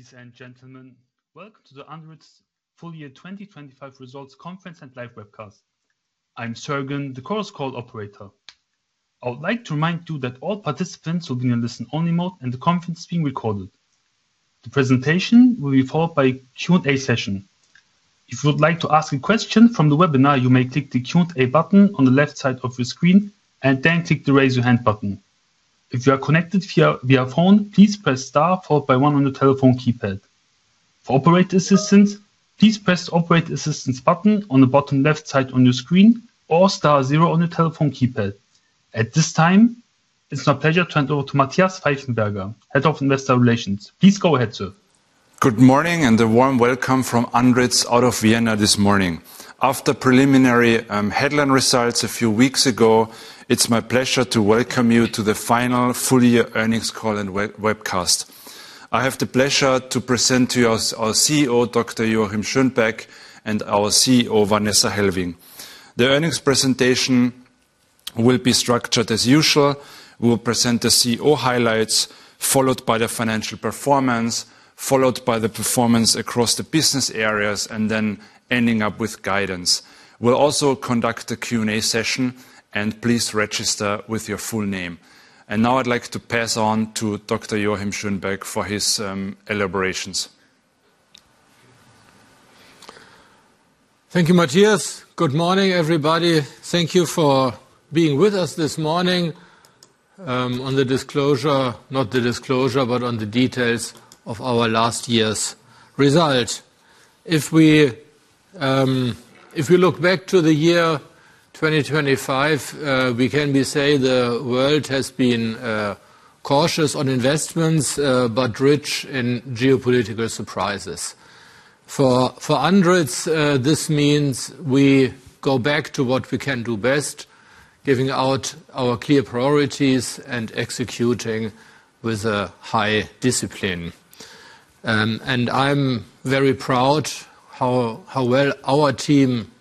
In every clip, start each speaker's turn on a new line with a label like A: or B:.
A: Ladies and gentlemen, welcome to the ANDRITZ full year 2025 results conference and live webcast. I'm Sergen, the conference call operator. I would like to remind you that all participants will be in listen only mode and the conference is being recorded. The presentation will be followed by a Q&A session. If you would like to ask a question from the webinar, you may click the Q&A button on the left side of your screen and then click the Raise Your Hand button. If you are connected via phone, please press star followed by one on your telephone keypad. For operator assistance, please press the Operator Assistance button on the bottom left side on your screen or star zero on your telephone keypad. At this time, it's my pleasure to hand over to Matthias Pfeifenberger, Head of Investor Relations. Please go ahead, sir.
B: Good morning and a warm welcome from ANDRITZ out of Vienna this morning. After preliminary headline results a few weeks ago, it's my pleasure to welcome you to the final full year earnings call and webcast. I have the pleasure to present to you our CEO, Dr. Joachim Schönbeck and our CFO Vanessa Hellwing. The earnings presentation will be structured as usual. We'll present the CEO highlights, followed by the financial performance, followed by the performance across the business areas and then ending up with guidance. We'll also conduct a Q&A session and please register with your full name. Now I'd like to pass on to Dr. Joachim Schönbeck for his elaborations.
C: Thank you, Matthias. Good morning, everybody. Thank you for being with us this morning, on the disclosure, not the disclosure, but on the details of our last year's results. If we look back to the year 2025, we can be say the world has been cautious on investments, but rich in geopolitical surprises. For ANDRITZ, this means we go back to what we can do best, giving out our clear priorities and executing with a high discipline. I'm very proud how well our team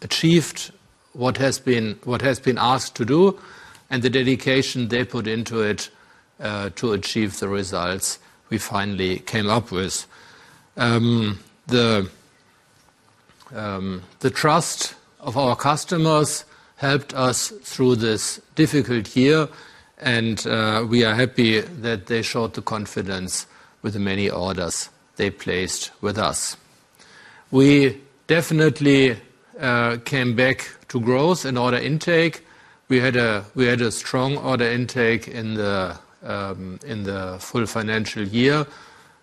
C: achieved what has been asked to do, and the dedication they put into it, to achieve the results we finally came up with. The trust of our customers helped us through this difficult year, and we are happy that they showed the confidence with the many orders they placed with us. We definitely came back to growth and order intake. We had a strong order intake in the full financial year.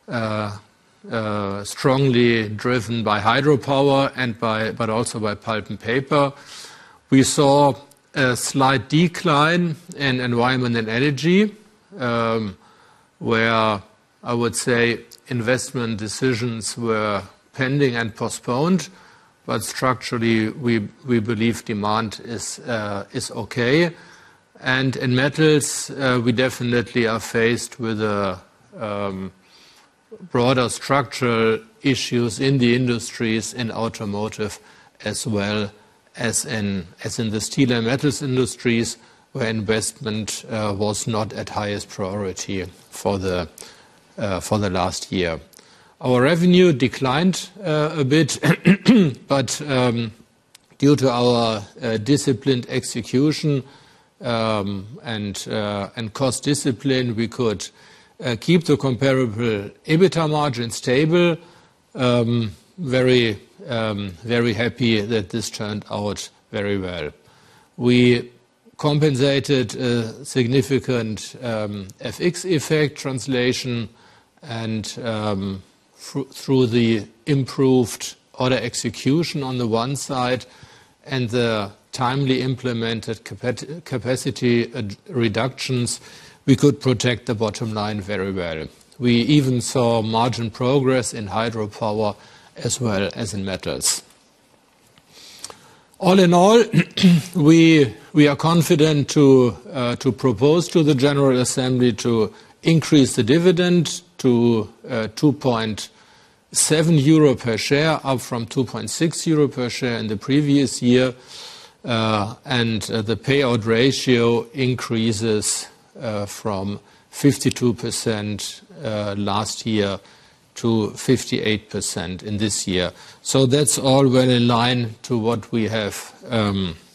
C: Strongly driven by Hydropower but also by Pulp & Paper. We saw a slight decline in Environment & Energy, where I would say investment decisions were pending and postponed. Structurally, we believe demand is okay. In Metals, we definitely are faced with a broader structural issues in the industries and Automotive as well as in the Steel and Metals industries where investment was not at highest priority for the last year. Our revenue declined a bit, but due to our disciplined execution and cost discipline, we could keep the comparable EBITDA margin stable. Very happy that this turned out very well. We compensated a significant FX effect translation and through the improved order execution on the one side and the timely implemented capacity reductions, we could protect the bottom line very well. We even saw margin progress in Hydropower as well as in Metals. All in all, we are confident to propose to the general assembly to increase the dividend to 2.7 euro per share, up from 2.6 euro per share in the previous year. The payout ratio increases from 52% last year to 58% in this year. That's all well in line to what we have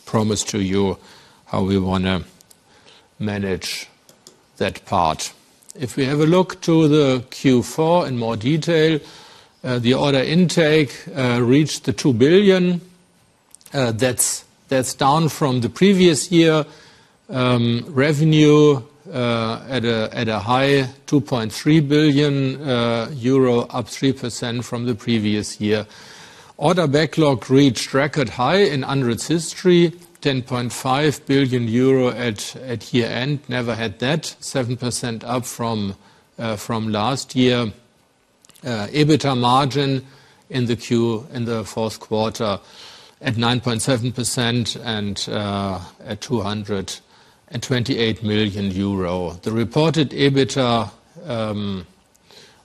C: promised to you, how we wanna manage that part. If we have a look to the Q4 in more detail, the order intake reached 2 billion. That's down from the previous year. Revenue at a high 2.3 billion euro, up 3% from the previous year. Order backlog reached record high in ANDRITZ history, 10.5 billion euro at year-end. Never had that. 7% up from last year. EBITDA margin in the Q, in the fourth quarter at 9.7% and at 228 million euro. The reported EBITDA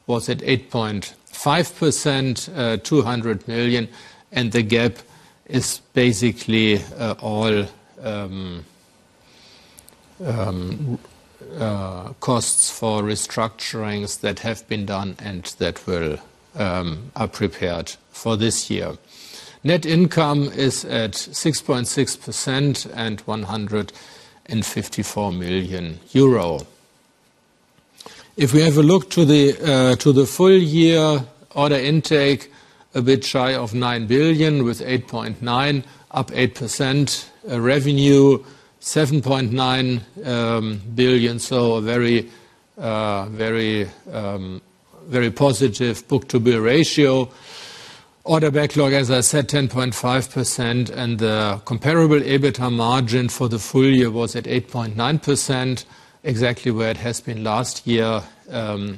C: was at 8.5%, 200 million, and the gap is basically all costs for restructurings that have been done and that are prepared for this year. Net income is at 6.6% and 154 million euro. If we have a look to the full year order intake, a bit shy of 9 billion, with 8.9 billion, up 8%. Revenue 7.9 billion. A very, very, very positive book-to-bill ratio. Order backlog, as I said, 10.5%. The comparable EBITDA margin for the full year was at 8.9%, exactly where it has been last year,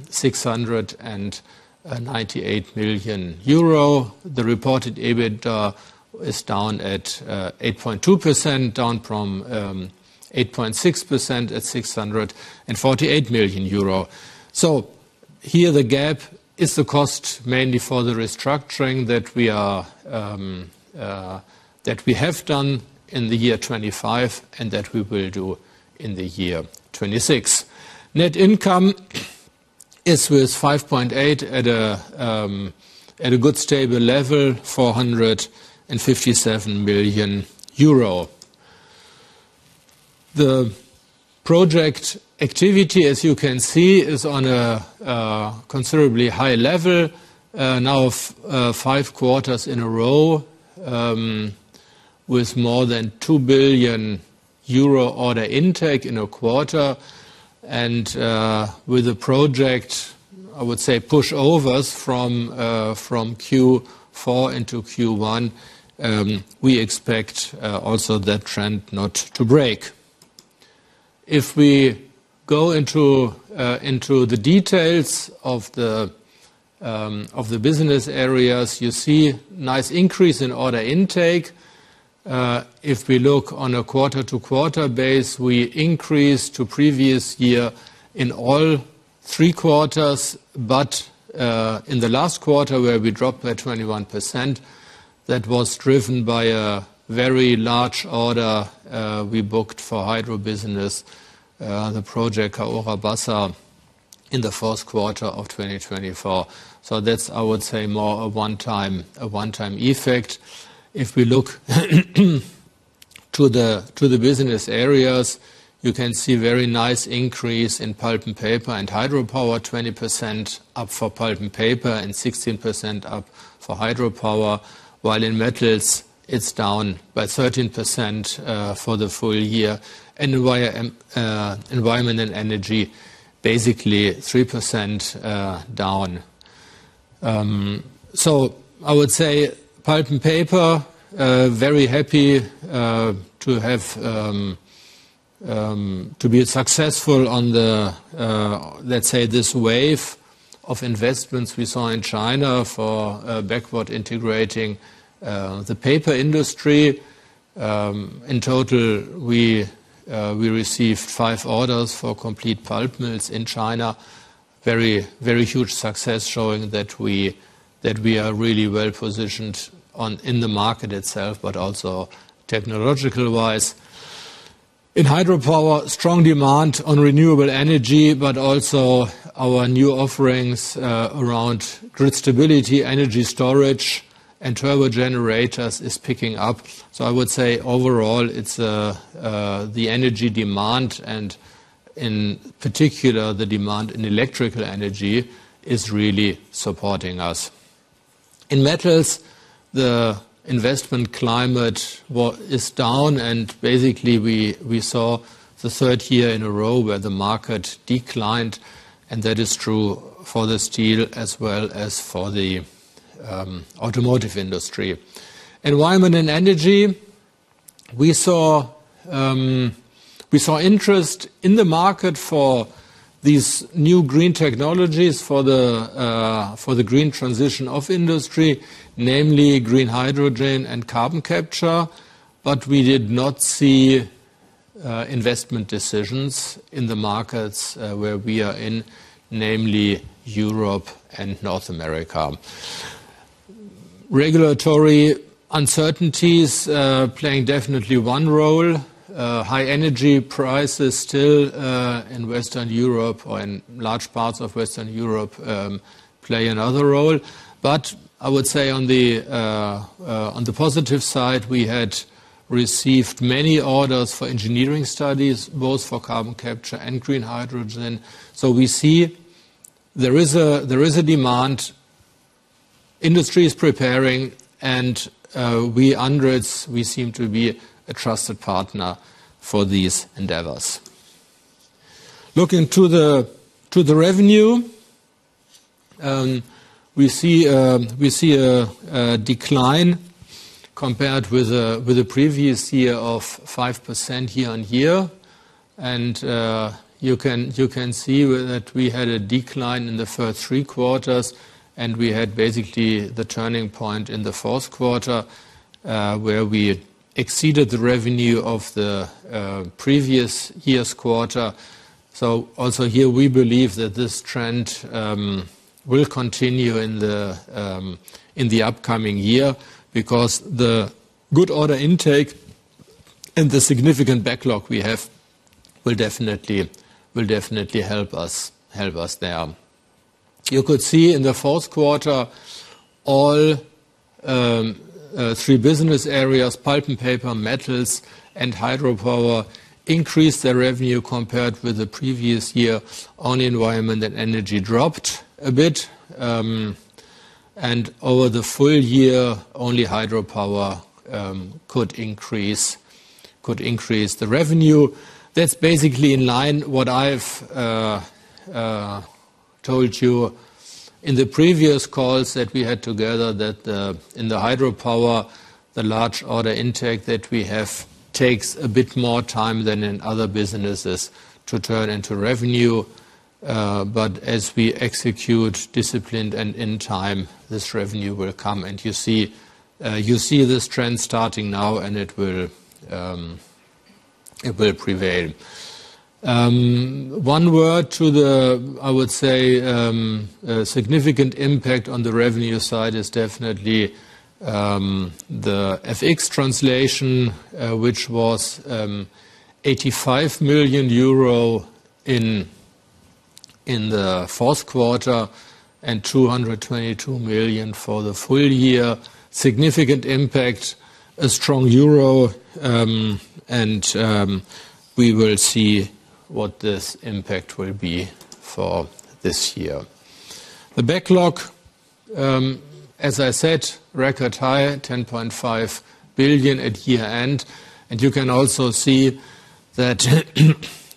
C: 698 million euro. The reported EBITDA is down at 8.2%, down from 8.6% at 648 million euro. Here the gap is the cost mainly for the restructuring that we are that we have done in the year 2025, and that we will do in the year 2026. Net income is with 5.8% at a good stable level, 457 million euro. The project activity, as you can see, is on a considerably high level now of 5 quarters in a row with more than 2 billion euro order intake in a quarter. With the project, I would say pushovers from Q4 into Q1, we expect also that trend not to break. We go into the details of the business areas, you see nice increase in order intake. We look on a quarter-to-quarter base, we increase to previous year in all 3 quarters. In the last quarter where we dropped by 21%, that was driven by a very large order, we booked for hydro business, the project Cahora Bassa, in the 4th quarter of 2024. That's, I would say, more a one-time effect. We look to the business areas, you can see very nice increase in Pulp & Paper and Hydropower, 20% up for Pulp & Paper and 16% up for Hydropower, while in Metals it's down by 13% for the full year. Environment & Energy, basically 3% down. I would say Pulp & Paper, very happy to be successful on the, let's say this wave of investments we saw in China for backward integrating the Paper industry. In total, we received five orders for complete pulp mills in China. Very huge success showing that we are really well positioned in the market itself, but also technological-wise. In Hydropower, strong demand on renewable energy, but also our new offerings around grid stability, energy storage and turbo generators is picking up. I would say overall it's the energy demand and in particular the demand in electrical energy is really supporting us. In Metals, the investment climate is down and basically we saw the third year in a row where the market declined, and that is true for the Steel as well as for the Automotive industry. Environment & Energy, we saw interest in the market for these new green technologies for the green transition of industry, namely green hydrogen and carbon capture. We did not see investment decisions in the markets where we are in, namely Europe and North America. Regulatory uncertainties playing definitely one role. High energy prices still in Western Europe or in large parts of Western Europe play another role. I would say on the positive side, we had received many orders for engineering studies, both for carbon capture and green hydrogen. We see there is a demand. Industry is preparing and ANDRITZ seem to be a trusted partner for these endeavors. Looking to the revenue, we see a decline compared with the previous year of 5% year-on-year. You can see that we had a decline in the first three quarters and we had basically the turning point in the fourth quarter, where we exceeded the revenue of the previous year's quarter. Also here, we believe that this trend will continue in the upcoming year because the good order intake and the significant backlog we have will definitely help us there. You could see in the fourth quarter, all three business areas, Pulp & Paper, Metals, and Hydropower increased their revenue compared with the previous year. Only Environment & Energy dropped a bit. Over the full year, only Hydropower could increase the revenue. That's basically in line what I've told you in the previous calls that we had together, that in the Hydropower, the large order intake that we have takes a bit more time than in other businesses to turn into revenue. As we execute disciplined and in time, this revenue will come. You see this trend starting now, and it will prevail. One word to the significant impact on the revenue side is definitely the FX translation, which was 85 million euro in the fourth quarter and 222 million for the full year. Significant impact, a strong euro, we will see what this impact will be for this year. The backlog, as I said, record high, 10.5 billion at year-end. You can also see that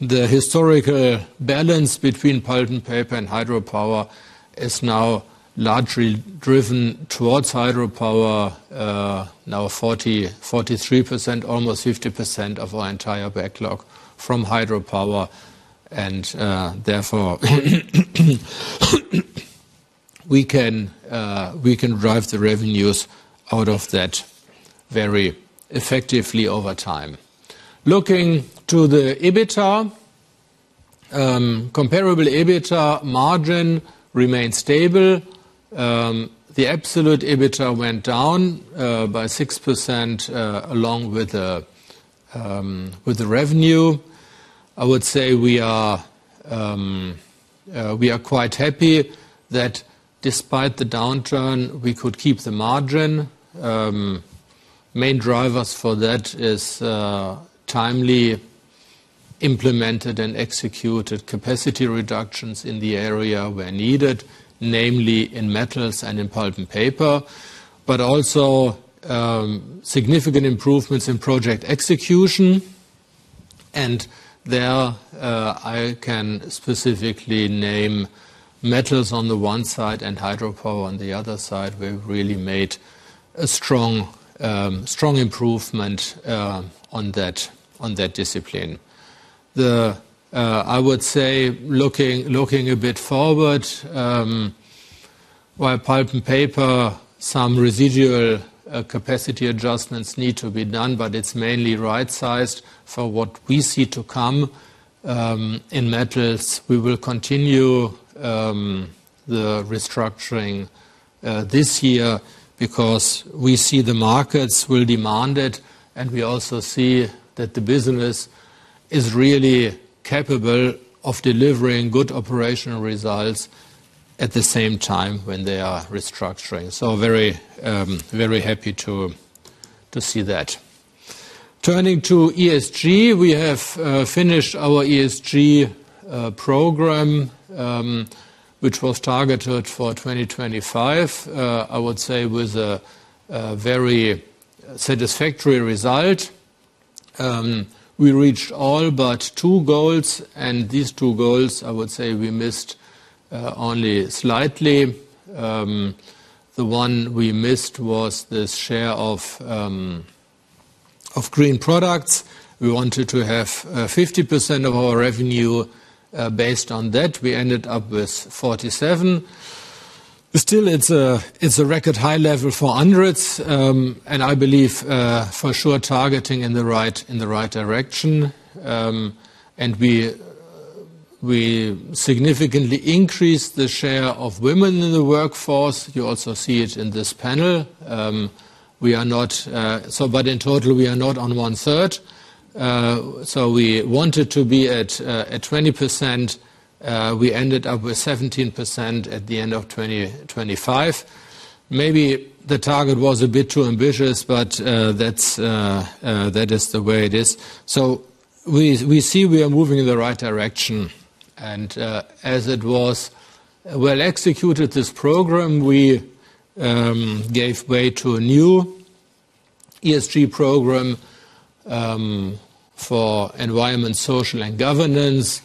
C: the historical balance between Pulp & Paper and Hydropower is now largely driven towards Hydropower, now 43%, almost 50% of our entire backlog from Hydropower. Therefore, we can drive the revenues out of that very effectively over time. Looking to the EBITDA, comparable EBITDA margin remained stable. The absolute EBITDA went down by 6% along with the revenue. I would say we are quite happy that despite the downturn, we could keep the margin. Main drivers for that is timely implemented and executed capacity reductions in the area where needed, namely in Metals and in Pulp & Paper. Also, significant improvements in project execution. There, I can specifically name Metals on the one side and Hydropower on the other side. We've really made a strong improvement on that discipline. I would say looking a bit forward, while Pulp & Paper, some residual capacity adjustments need to be done, but it's mainly right-sized for what we see to come. In Metals, we will continue the restructuring this year because we see the markets will demand it, and we also see that the business is really capable of delivering good operational results at the same time when they are restructuring. Very happy to see that. Turning to ESG, we have finished our ESG program, which was targeted for 2025, I would say with a very satisfactory result. We reached all but 2 goals, and these 2 goals, I would say, we missed only slightly. The one we missed was the share of green products. We wanted to have 50% of our revenue based on that. We ended up with 47%. Still, it's a record high level for ANDRITZ, and I believe, for sure targeting in the right direction. We significantly increased the share of women in the workforce. You also see it in this panel. In total, we are not on one-third. We wanted to be at 20%. We ended up with 17% at the end of 2025. Maybe the target was a bit too ambitious, but that is the way it is. We see we are moving in the right direction. As it was well executed, this program, we gave way to a new ESG program for environment, social, and governance.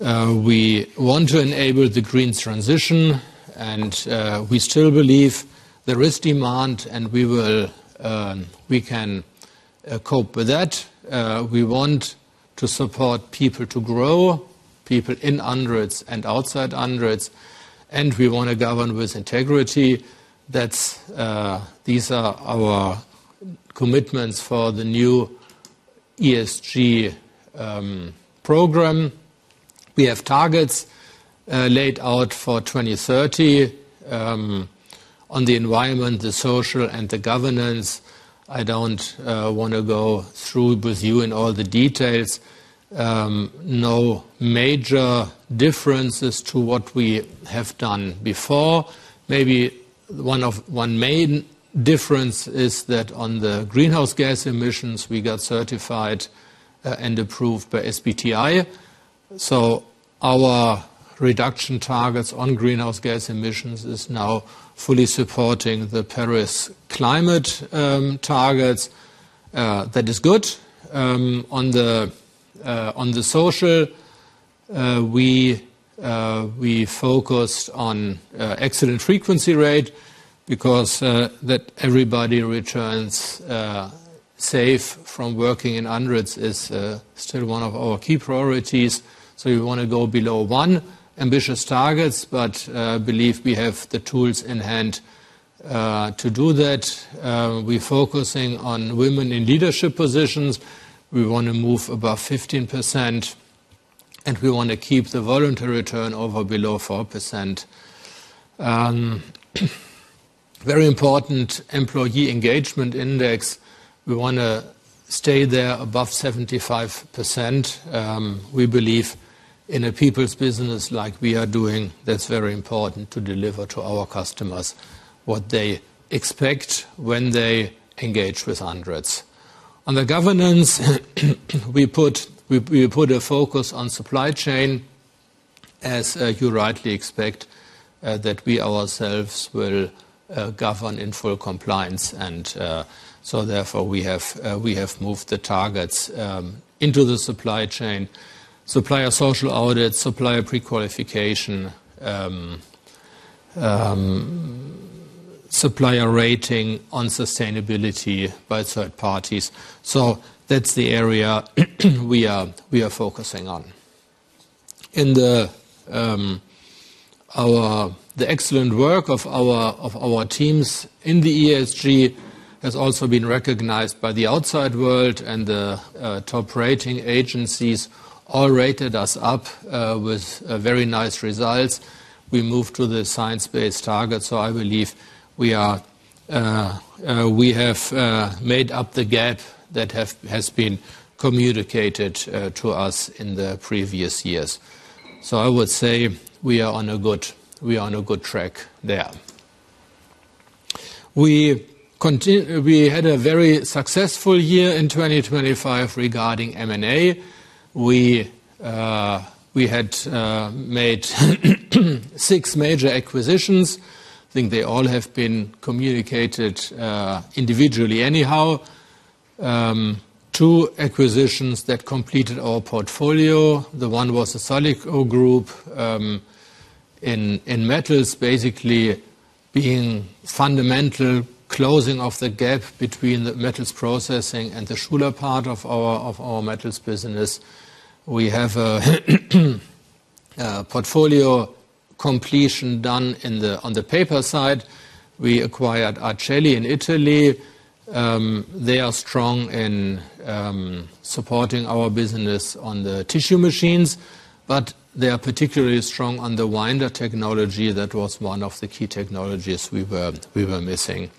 C: We want to enable the green transition, and we still believe there is demand, and we will, we can cope with that. We want to support people to grow, people in ANDRITZ and outside ANDRITZ, and we wanna govern with integrity. That's these are our commitments for the new ESG program. We have targets laid out for 2030 on the environment, the social, and the governance. I don't wanna go through with you in all the details. No major differences to what we have done before. Maybe one main difference is that on the greenhouse gas emissions, we got certified and approved by SBTi. Our reduction targets on greenhouse gas emissions is now fully supporting the Paris climate targets. That is good. On the social, we focused on accident frequency rate because that everybody returns safe from working in ANDRITZ is still one of our key priorities. We wanna go below one. Ambitious targets, but believe we have the tools in hand to do that. We're focusing on women in leadership positions. We wanna move above 15%, and we wanna keep the voluntary return over below 4%. Very important employee engagement index. We wanna stay there above 75%. We believe in a people's business like we are doing, that's very important to deliver to our customers what they expect when they engage with ANDRITZ. On the governance, we put a focus on supply chain, as you rightly expect that we ourselves will govern in full compliance. Therefore, we have moved the targets into the supply chain. Supplier social audit, supplier prequalification, supplier rating on sustainability by third parties. That's the area we are focusing on. In the excellent work of our teams in the ESG has also been recognized by the outside world and the top rating agencies all rated us up with very nice results. We moved to the science-based target, I believe we have made up the gap that has been communicated to us in the previous years. I would say we are on a good track there. We had a very successful year in 2025 regarding M&A. We had made 6 major acquisitions. I think they all have been communicated individually anyhow. Two acquisitions that completed our portfolio. The one was the Salico Group in Metals, basically being fundamental closing of the gap between the Metals processing and the Schuler part of our Metals business. We have a portfolio completion done on the paper side. We acquired A. Celli in Italy. They are strong in supporting our business on the tissue machines, but they are particularly strong on the winder technology. That was one of the key technologies we were missing.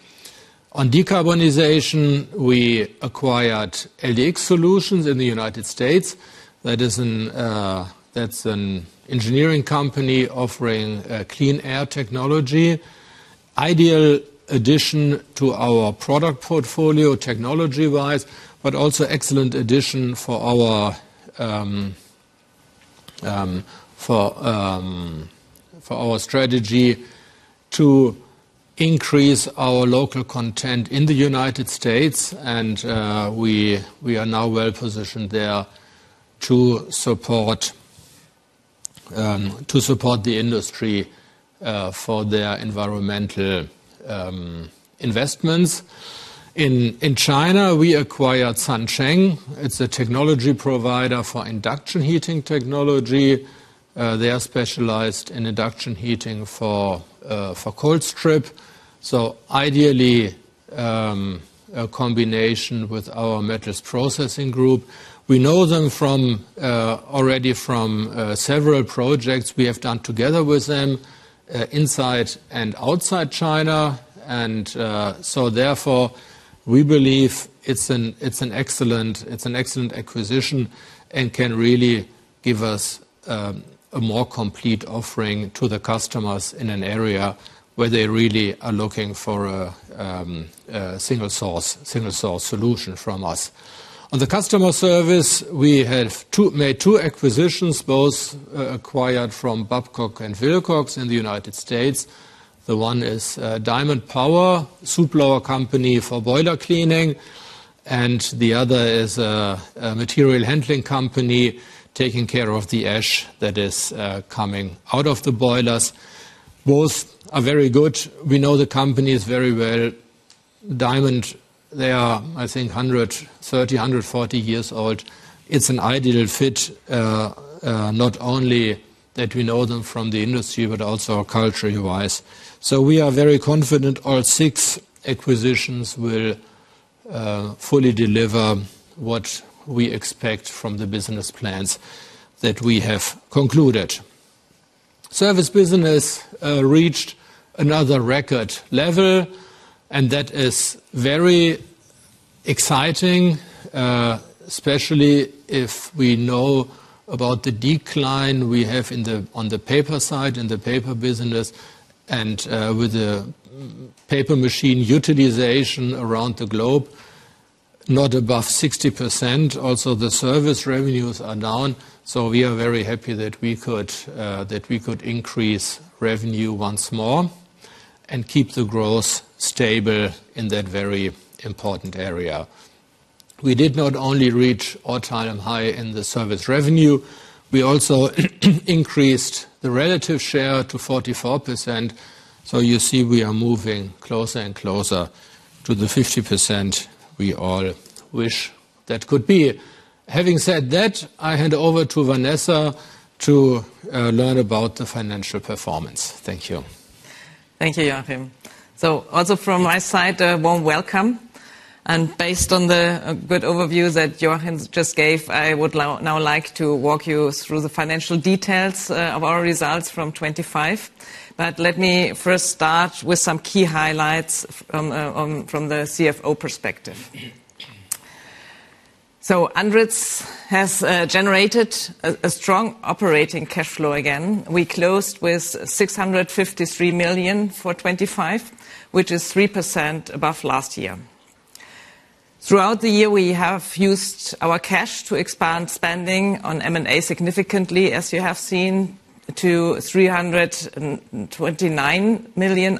C: On decarbonization, we acquired LDX Solutions in the United States. That's an engineering company offering Clean Air Technology. Ideal addition to our product portfolio technology-wise, but also excellent addition for our strategy to increase our local content in the United States and we are now well positioned there to support the industry for their environmental investments. In China, we acquired Sanzheng. It's a technology provider for induction heating technology. They are specialized in induction heating for cold strip. Ideally, a combination with our Metals processing group. We know them already from several projects we have done together with them inside and outside China. Therefore, we believe it's an excellent acquisition and can really give us a more complete offering to the customers in an area where they really are looking for a single source solution from us. On the customer service, we made two acquisitions, both acquired from Babcock & Wilcox in the United States. The one is Diamond Power, Soot Blower Company for boiler cleaning, and the other is a Material Handling Company taking care of the ash that is coming out of the boilers. Both are very good. We know the company is very well Diamond. They are, I think, 130, 140 years old. It's an ideal fit, not only that we know them from the industry, but also culture-wise. We are very confident our six acquisitions will fully deliver what we expect from the business plans that we have concluded. Service business reached another record level, and that is very exciting, especially if we know about the decline we have in the, on the paper side, in the Paper business and with the paper machine utilization around the globe, not above 60%, also the service revenues are down. We are very happy that we could that we could increase revenue once more and keep the growth stable in that very important area. We did not only reach all-time high in the service revenue, we also increased the relative share to 44%. You see we are moving closer and closer to the 50% we all wish that could be. Having said that, I hand over to Vanessa to learn about the financial performance. Thank you.
D: Thank you, Joachim. Also from my side, a warm welcome, and based on the good overview that Joachim just gave, I would now like to walk you through the financial details of our results from 25. Let me first start with some key highlights from the CFO perspective. ANDRITZ has generated a strong operating cash flow again. We closed with 653 million for 25, which is 3% above last year. Throughout the year, we have used our cash to expand spending on M&A significantly, as you have seen, to 329 million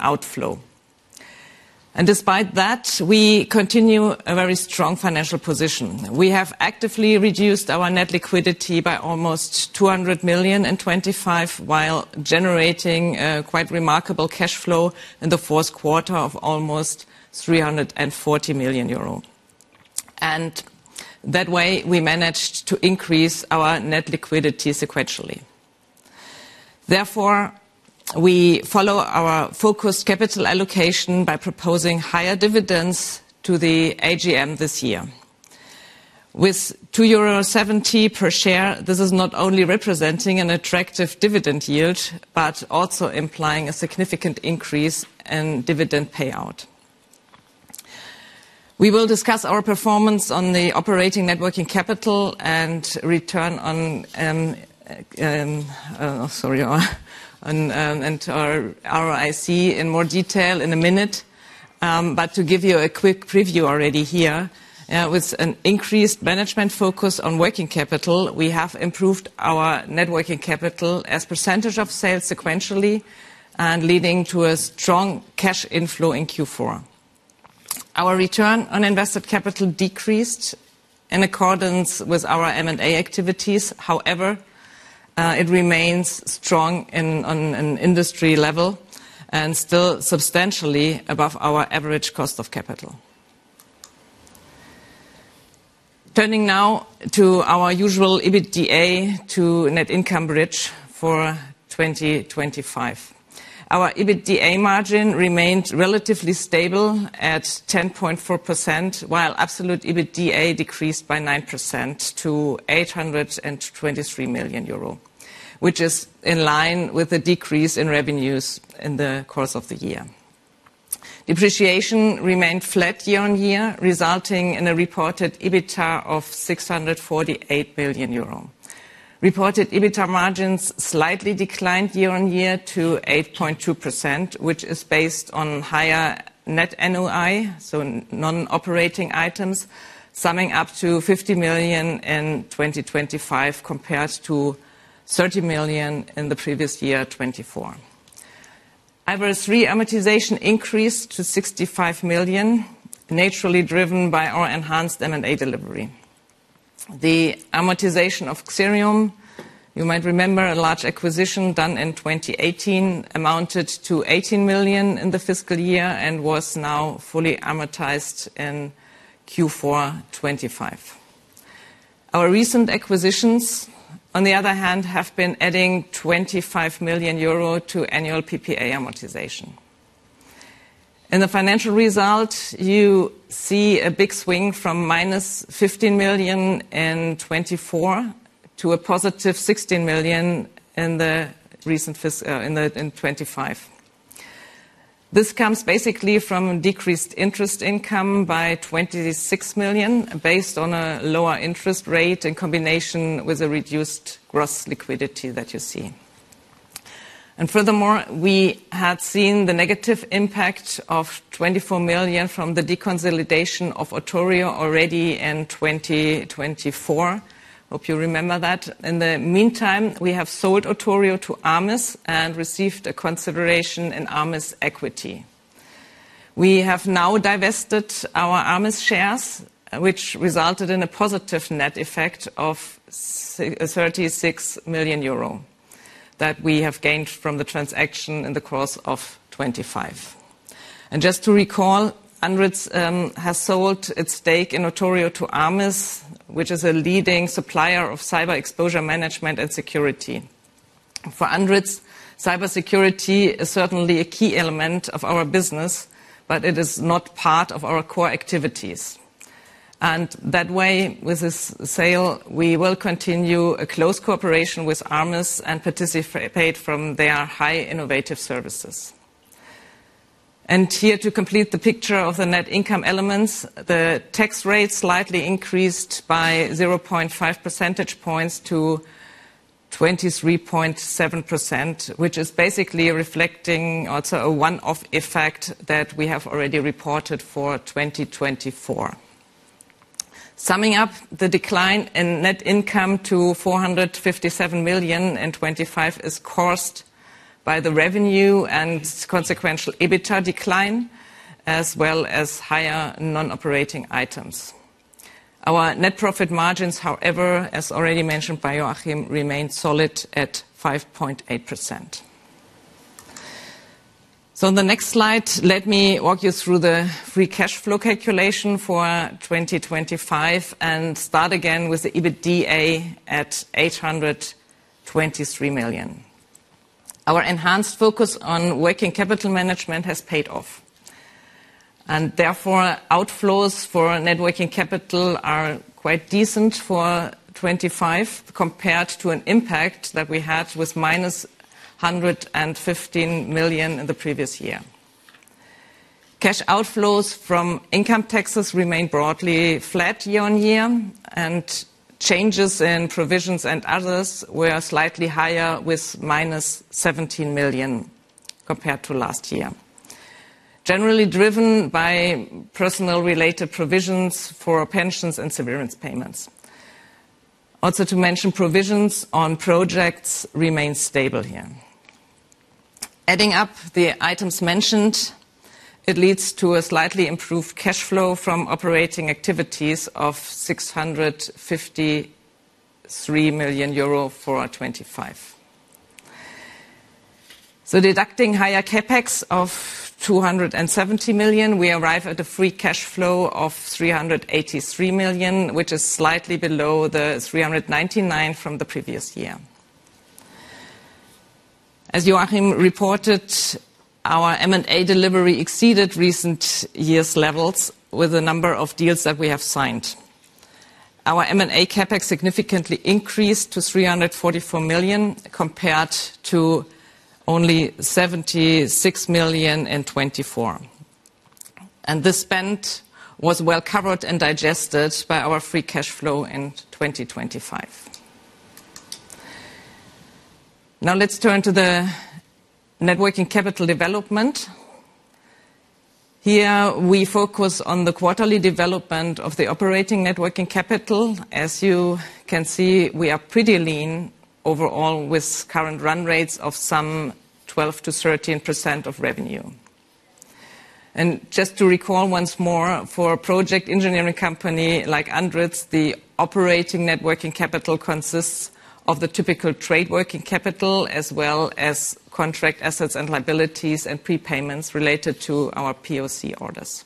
D: outflow. Despite that, we continue a very strong financial position. We have actively reduced our net liquidity by almost 200 million in 2025, while generating quite remarkable cash flow in the fourth quarter of almost 340 million euro. That way, we managed to increase our net liquidity sequentially. Therefore, we follow our focused capital allocation by proposing higher dividends to the AGM this year. With 2.70 euro per share, this is not only representing an attractive dividend yield, but also implying a significant increase in dividend payout. We will discuss our performance on the operating net working capital and return on our ROIC in more detail in a minute. To give you a quick preview already here, with an increased management focus on working capital, we have improved our net working capital as percentage of sales sequentially, and leading to a strong cash inflow in Q4. Our return on invested capital decreased in accordance with our M&A activities. It remains strong in, on an industry level and still substantially above our average cost of capital. Turning now to our usual EBITDA to net income bridge for 2025. Our EBITDA margin remained relatively stable at 10.4%, while absolute EBITDA decreased by 9% to 823 million euro, which is in line with the decrease in revenues in the course of the year. Depreciation remained flat year-on-year, resulting in a reported EBITDA of 648 billion euro. Reported EBITDA margins slightly declined year-over-year to 8.2%, which is based on higher net NOI, so non-operating items, summing up to 50 million in 2025 compared to 30 million in the previous year, 2024. Average reamortization increased to 65 million, naturally driven by our enhanced M&A delivery. The amortization of Xerium, you might remember, a large acquisition done in 2018, amounted to 18 million in the fiscal year and was now fully amortized in Q4 2025. Our recent acquisitions, on the other hand, have been adding 25 million euro to annual PPA amortization. In the financial result, you see a big swing from -50 million in 2024, to a positive 16 million in the, in 2025. This comes basically from decreased interest income by 26 million based on a lower interest rate in combination with a reduced gross liquidity that you see. Furthermore, we had seen the negative impact of 24 million from the deconsolidation of Otorio already in 2024. Hope you remember that. In the meantime, we have sold Otorio to Armis and received a consideration in Armis equity. We have now divested our Armis shares, which resulted in a positive net effect of 36 million euro. That we have gained from the transaction in the course of 2025. Just to recall, ANDRITZ has sold its stake in Otorio to Armis, which is a leading supplier of cyber exposure management and security. For ANDRITZ, Cyber security is certainly a key element of our business, but it is not part of our core activities. That way, with this sale, we will continue a close cooperation with Armis and participate from their high innovative services. Here to complete the picture of the net income elements, the tax rate slightly increased by 0.5 percentage points to 23.7%, which is basically reflecting also a one-off effect that we have already reported for 2024. Summing up, the decline in net income to 457 million in 2025 is caused by the revenue and consequential EBITDA decline, as well as higher non-operating items. Our net profit margins, however, as already mentioned by Joachim, remained solid at 5.8%. On the next slide, let me walk you through the free cash flow calculation for 2025 and start again with the EBITDA at 823 million. Our enhanced focus on working capital management has paid off. Therefore, outflows for net working capital are quite decent for 2025 compared to an impact that we had with minus 115 million in the previous year. Cash outflows from income taxes remain broadly flat year-on-year, and changes in provisions and others were slightly higher, with minus 17 million compared to last year. Generally driven by personal-related provisions for pensions and severance payments. Also, to mention, provisions on projects remain stable here. Adding up the items mentioned, it leads to a slightly improved cash flow from operating activities of 653 million euro for 2025. Deducting higher CapEx of 270 million, we arrive at a free cash flow of 383 million, which is slightly below the 399 from the previous year. As Joachim reported, our M&A delivery exceeded recent years' levels with the number of deals that we have signed. Our M&A CapEx significantly increased to 344 million, compared to only 76 million in 2024. The spend was well covered and digested by our free cash flow in 2025. Now, let's turn to the net working capital development. Here we focus on the quarterly development of the operating net working capital. As you can see, we are pretty lean overall with current run rates of some 12%-13% of revenue. Just to recall once more, for a project engineering company like ANDRITZ, the operating net working capital consists of the typical trade working capital, as well as contract assets and liabilities and prepayments related to our POC orders.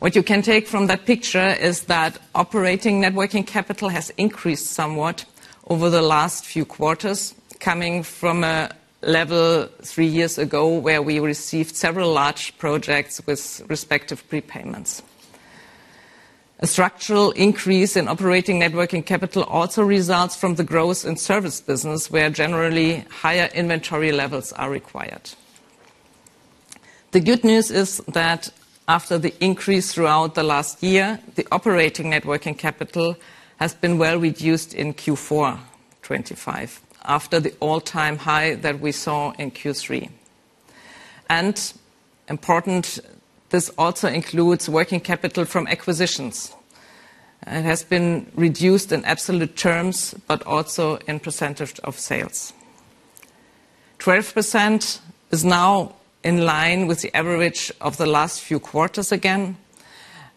D: What you can take from that picture is that operating net working capital has increased somewhat over the last few quarters, coming from a level 3 years ago, where we received several large projects with respective prepayments. A structural increase in operating net working capital also results from the growth in service business, where generally higher inventory levels are required. The good news is that after the increase throughout the last year, the operating net working capital has been well reduced in Q4 2025, after the all-time high that we saw in Q3. Important, this also includes working capital from acquisitions. It has been reduced in absolute terms, but also in percentage of sales. 12% is now in line with the average of the last few quarters again,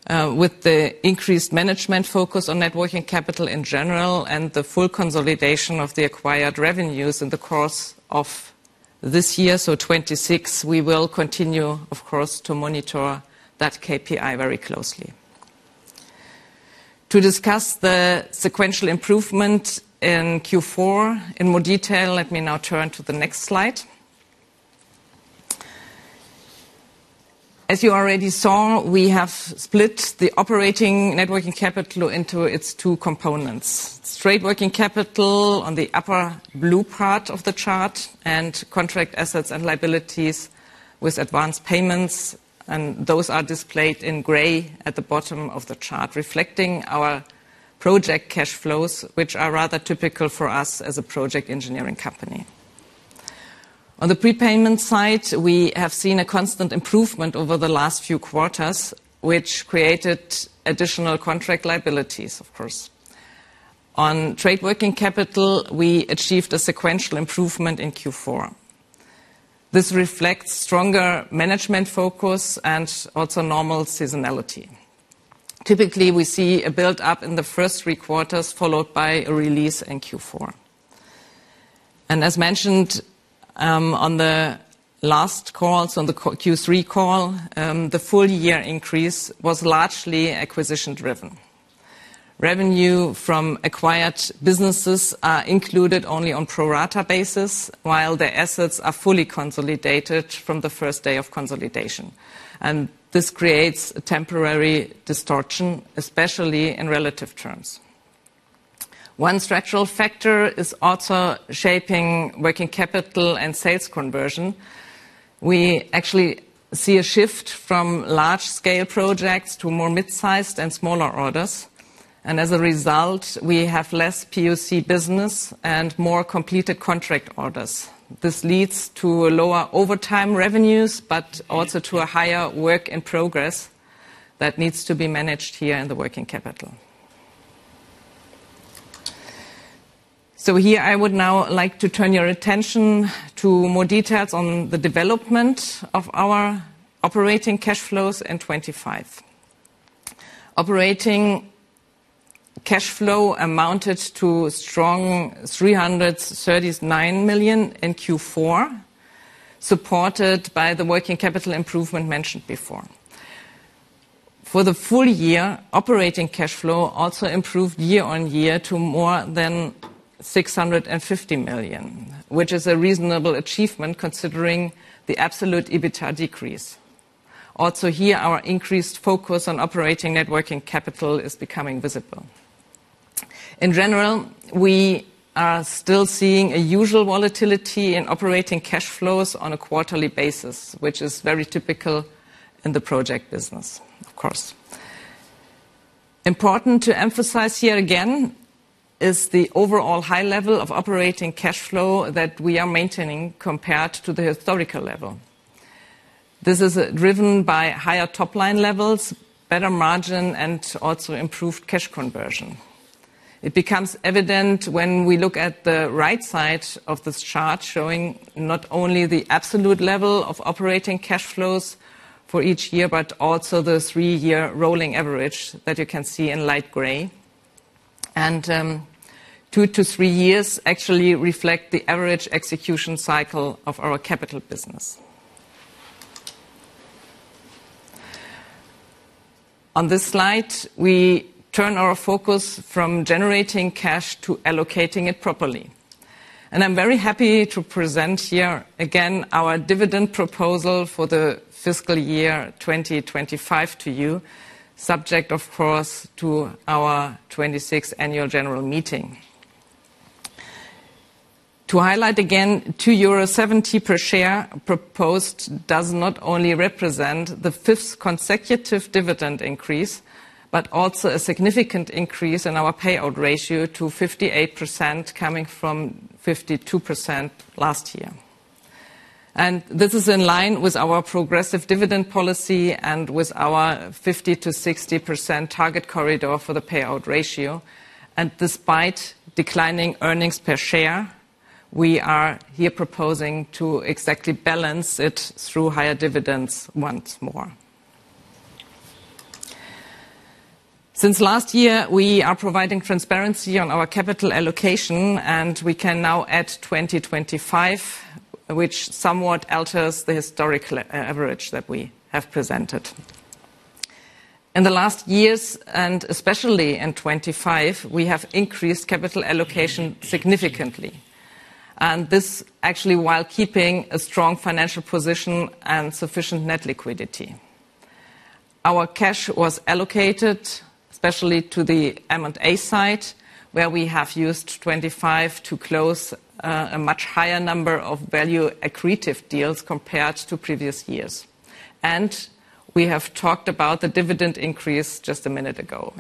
D: with the increased management focus on net working capital in general and the full consolidation of the acquired revenues in the course of this year, so 2026, we will continue, of course, to monitor that KPI very closely. To discuss the sequential improvement in Q4 in more detail, let me now turn to the next slide. As you already saw, we have split the operating net working capital into its two components. Straight working capital on the upper blue part of the chart, and contract assets and liabilities with advanced payments, and those are displayed in gray at the bottom of the chart, reflecting our project cash flows, which are rather typical for us as a project engineering company. On the prepayment side, we have seen a constant improvement over the last few quarters, which created additional contract liabilities, of course. On trade working capital, we achieved a sequential improvement in Q4. This reflects stronger management focus and also normal seasonality. Typically, we see a build up in the first three quarters, followed by a release in Q4. As mentioned, on the last calls, on the Q3 call, the full year increase was largely acquisition-driven. Revenue from acquired businesses are included only on pro rata basis, while the assets are fully consolidated from the first day of consolidation. This creates a temporary distortion, especially in relative terms. One structural factor is also shaping working capital and sales conversion. We actually see a shift from large-scale projects to more mid-sized and smaller orders. As a result, we have less POC business and more completed contract orders. This leads to lower overtime revenues, but also to a higher work in progress that needs to be managed here in the working capital. Here, I would now like to turn your attention to more details on the development of our operating cash flows in 25. Operating cash flow amounted to strong 339 million in Q4, supported by the working capital improvement mentioned before. For the full year, operating cash flow also improved year-on-year to more than 650 million, which is a reasonable achievement considering the absolute EBITDA decrease. Here, our increased focus on operating net working capital is becoming visible. In general, we are still seeing a usual volatility in operating cash flows on a quarterly basis, which is very typical in the project business, of course. Important to emphasize here again, is the overall high level of operating cash flow that we are maintaining compared to the historical level. This is driven by higher top-line levels, better margin, and also improved cash conversion. It becomes evident when we look at the right side of this chart, showing not only the absolute level of operating cash flows for each year, but also the three-year rolling average that you can see in light gray. Two to three years actually reflect the average execution cycle of our capital business. On this slide, we turn our focus from generating cash to allocating it properly. I'm very happy to present here, again, our dividend proposal for the fiscal year 2025 to you, subject, of course, to our 26th annual general meeting. To highlight again, 2.70 euro per share proposed does not only represent the 5th consecutive dividend increase, but also a significant increase in our payout ratio to 58%, coming from 52% last year. This is in line with our progressive dividend policy and with our 50%-60% target corridor for the payout ratio. Despite declining earnings per share, we are here proposing to exactly balance it through higher dividends once more. Since last year, we are providing transparency on our capital allocation, and we can now add 2025, which somewhat alters the historic average that we have presented. In the last years, and especially in 2025, we have increased capital allocation significantly. This actually while keeping a strong financial position and sufficient net liquidity. Our cash was allocated, especially to the M&A side, where we have used 25 to close a much higher number of value accretive deals compared to previous years. We have talked about the dividend increase just a minute ago.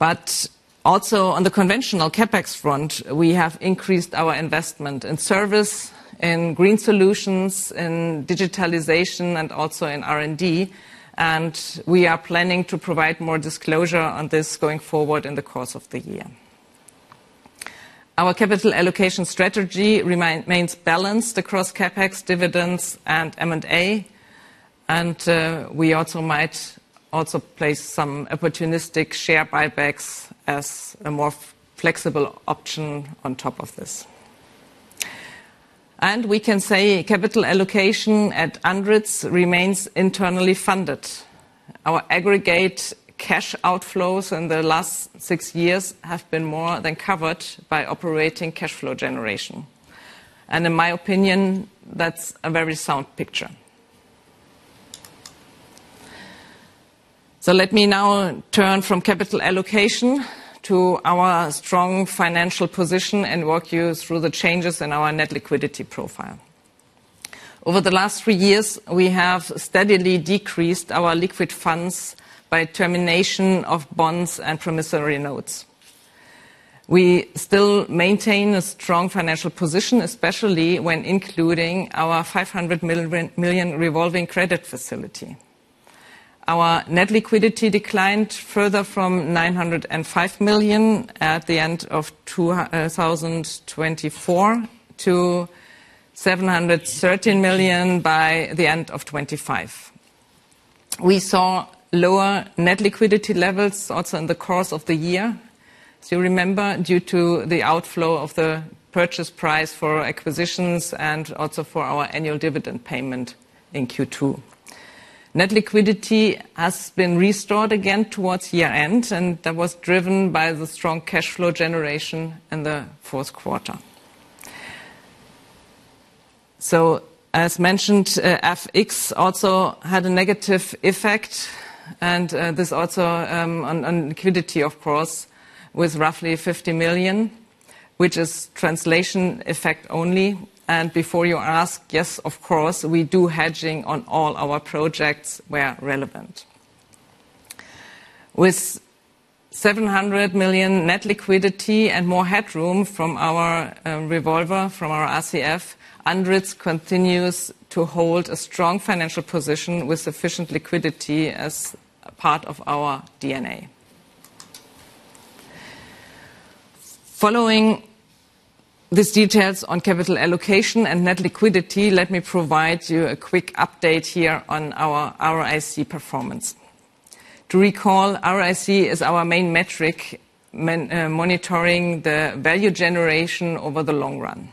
D: But also on the conventional CapEx front, we have increased our investment in service, in green solutions, in digitalization, and also in R&D, and we are planning to provide more disclosure on this going forward in the course of the year. Our capital allocation strategy remains balanced across CapEx, dividends, and M&A. We also might also place some opportunistic share buybacks as a more flexible option on top of this. We can say capital allocation at ANDRITZ remains internally funded. Our aggregate cash outflows in the last six years have been more than covered by operating cash flow generation. In my opinion, that's a very sound picture. Let me now turn from capital allocation to our strong financial position and walk you through the changes in our net liquidity profile. Over the last three years, we have steadily decreased our liquid funds by termination of bonds and promissory notes. We still maintain a strong financial position, especially when including our 500 million revolving credit facility. Our net liquidity declined further from 905 million at the end of 2024 to 713 million by the end of 2025. We saw lower net liquidity levels also in the course of the year. You remember, due to the outflow of the purchase price for acquisitions and also for our annual dividend payment in Q2. Net liquidity has been restored again towards year-end, and that was driven by the strong cash flow generation in the fourth quarter. As mentioned, FX also had a negative effect. This also on liquidity, of course, with roughly 50 million, which is translation effect only. Before you ask, yes, of course, we do hedging on all our projects where relevant. With 700 million net liquidity and more headroom from our revolver, from our RCF, ANDRITZ continues to hold a strong financial position with sufficient liquidity as a part of our DNA. Following these details on capital allocation and net liquidity, let me provide you a quick update here on our ROIC performance. To recall, ROIC is our main metric monitoring the value generation over the long run.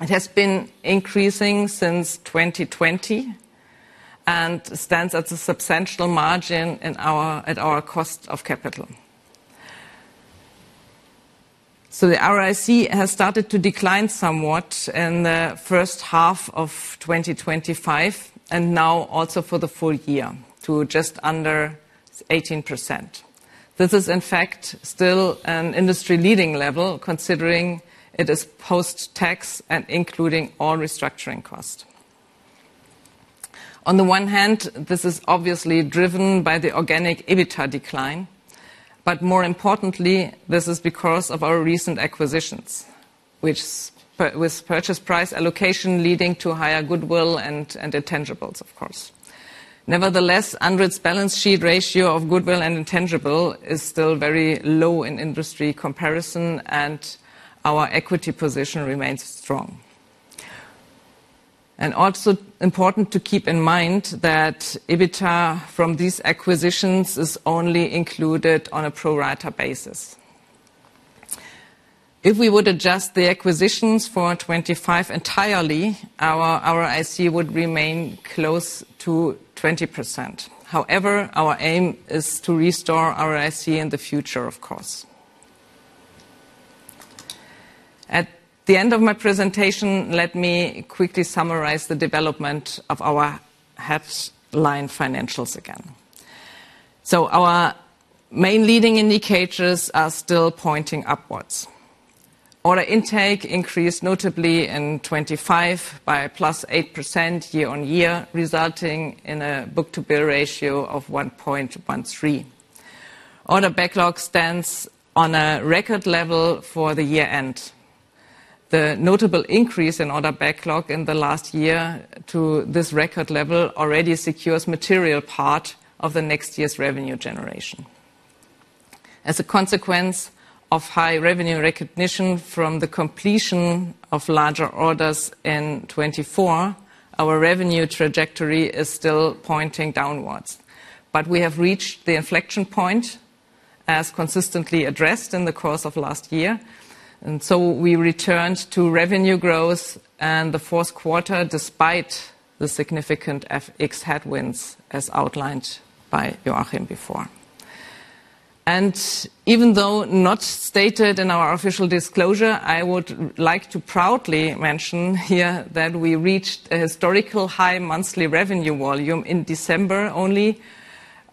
D: It has been increasing since 2020 and stands at a substantial margin in our, at our cost of capital. The ROIC has started to decline somewhat in the first half of 2025 and now also for the full year to just under 18%. This is, in fact, still an industry-leading level, considering it is post-tax and including all restructuring costs. On the one hand, this is obviously driven by the organic EBITDA decline, but more importantly, this is because of our recent acquisitions, which with purchase price allocation leading to higher goodwill and intangibles, of course. Nevertheless, ANDRITZ balance sheet ratio of goodwill and intangible is still very low in industry comparison, and our equity position remains strong. Also important to keep in mind that EBITDA from these acquisitions is only included on a pro rata basis. If we would adjust the acquisitions for 2025 entirely, our ROIC would remain close to 20%. However, our aim is to restore ROIC in the future, of course. At the end of my presentation, let me quickly summarize the development of our headline financials again. Our main leading indicators are still pointing upwards. Order intake increased notably in 2025 by a +8% year-on-year, resulting in a book-to-bill ratio of 1.13. Order backlog stands on a record level for the year-end. The notable increase in order backlog in the last year to this record level already secures material part of the next year's revenue generation. As a consequence of high revenue recognition from the completion of larger orders in 2024, our revenue trajectory is still pointing downwards. We have reached the inflection point as consistently addressed in the course of last year, and so we returned to revenue growth in the fourth quarter despite the significant FX headwinds as outlined by Joachim before. Even though not stated in our official disclosure, I would like to proudly mention here that we reached a historical high monthly revenue volume in December only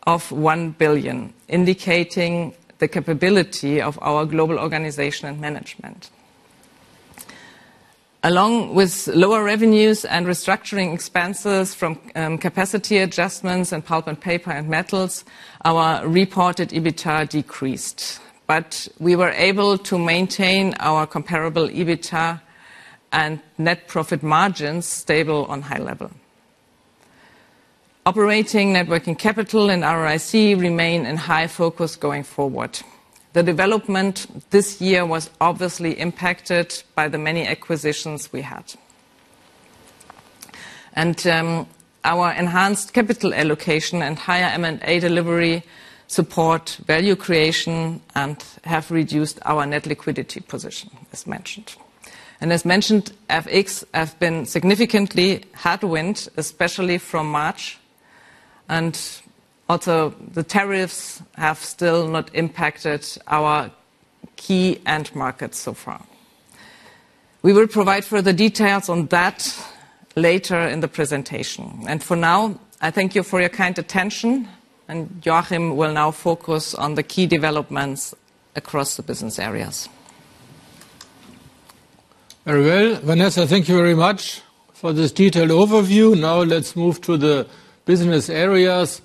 D: of 1 billion, indicating the capability of our global organization and management. Along with lower revenues and restructuring expenses from capacity adjustments in Pulp & Paper and Metals, our reported EBITDA decreased. We were able to maintain our comparable EBITDA and net profit margins stable on high level. Operating net working capital and ROIC remain in high focus going forward. The development this year was obviously impacted by the many acquisitions we had. Our enhanced capital allocation and higher M&A delivery support value creation and have reduced our net liquidity position, as mentioned. As mentioned, FX have been significantly headwind, especially from March, and also the tariffs have still not impacted our key end markets so far. We will provide further details on that later in the presentation. For now, I thank you for your kind attention, and Joachim will now focus on the key developments across the business areas.
C: Very well. Vanessa, thank you very much for this detailed overview. Now let's move to the business areas.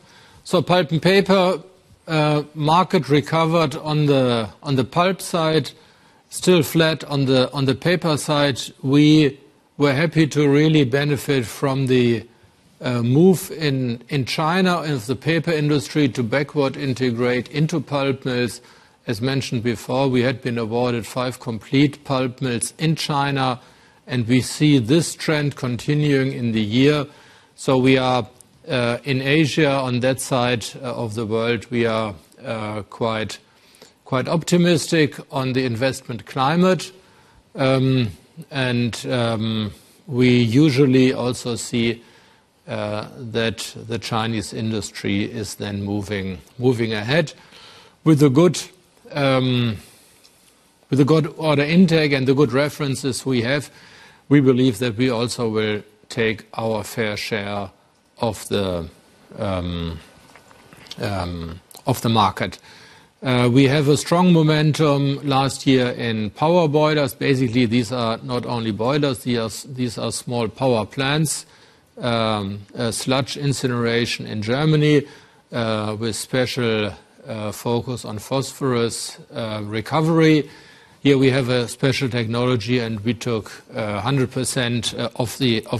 C: Pulp & Paper, market recovered on the, on the pulp side. Still flat on the Paper side. We were happy to really benefit from the move in China as the Paper industry to backward integrate into pulp mills. As mentioned before, we had been awarded five complete pulp mills in China, and we see this trend continuing in the year. We are in Asia, on that side of the world, we are quite optimistic on the investment climate. We usually also see that the Chinese industry is then moving ahead. With the good order intake and the good references we have, we believe that we also will take our fair share of the market. We have a strong momentum last year in power boilers. Basically, these are not only boilers, these are small power plants. A sludge incineration in Germany with special focus on phosphorus recovery. Here we have a special technology and we took 100% of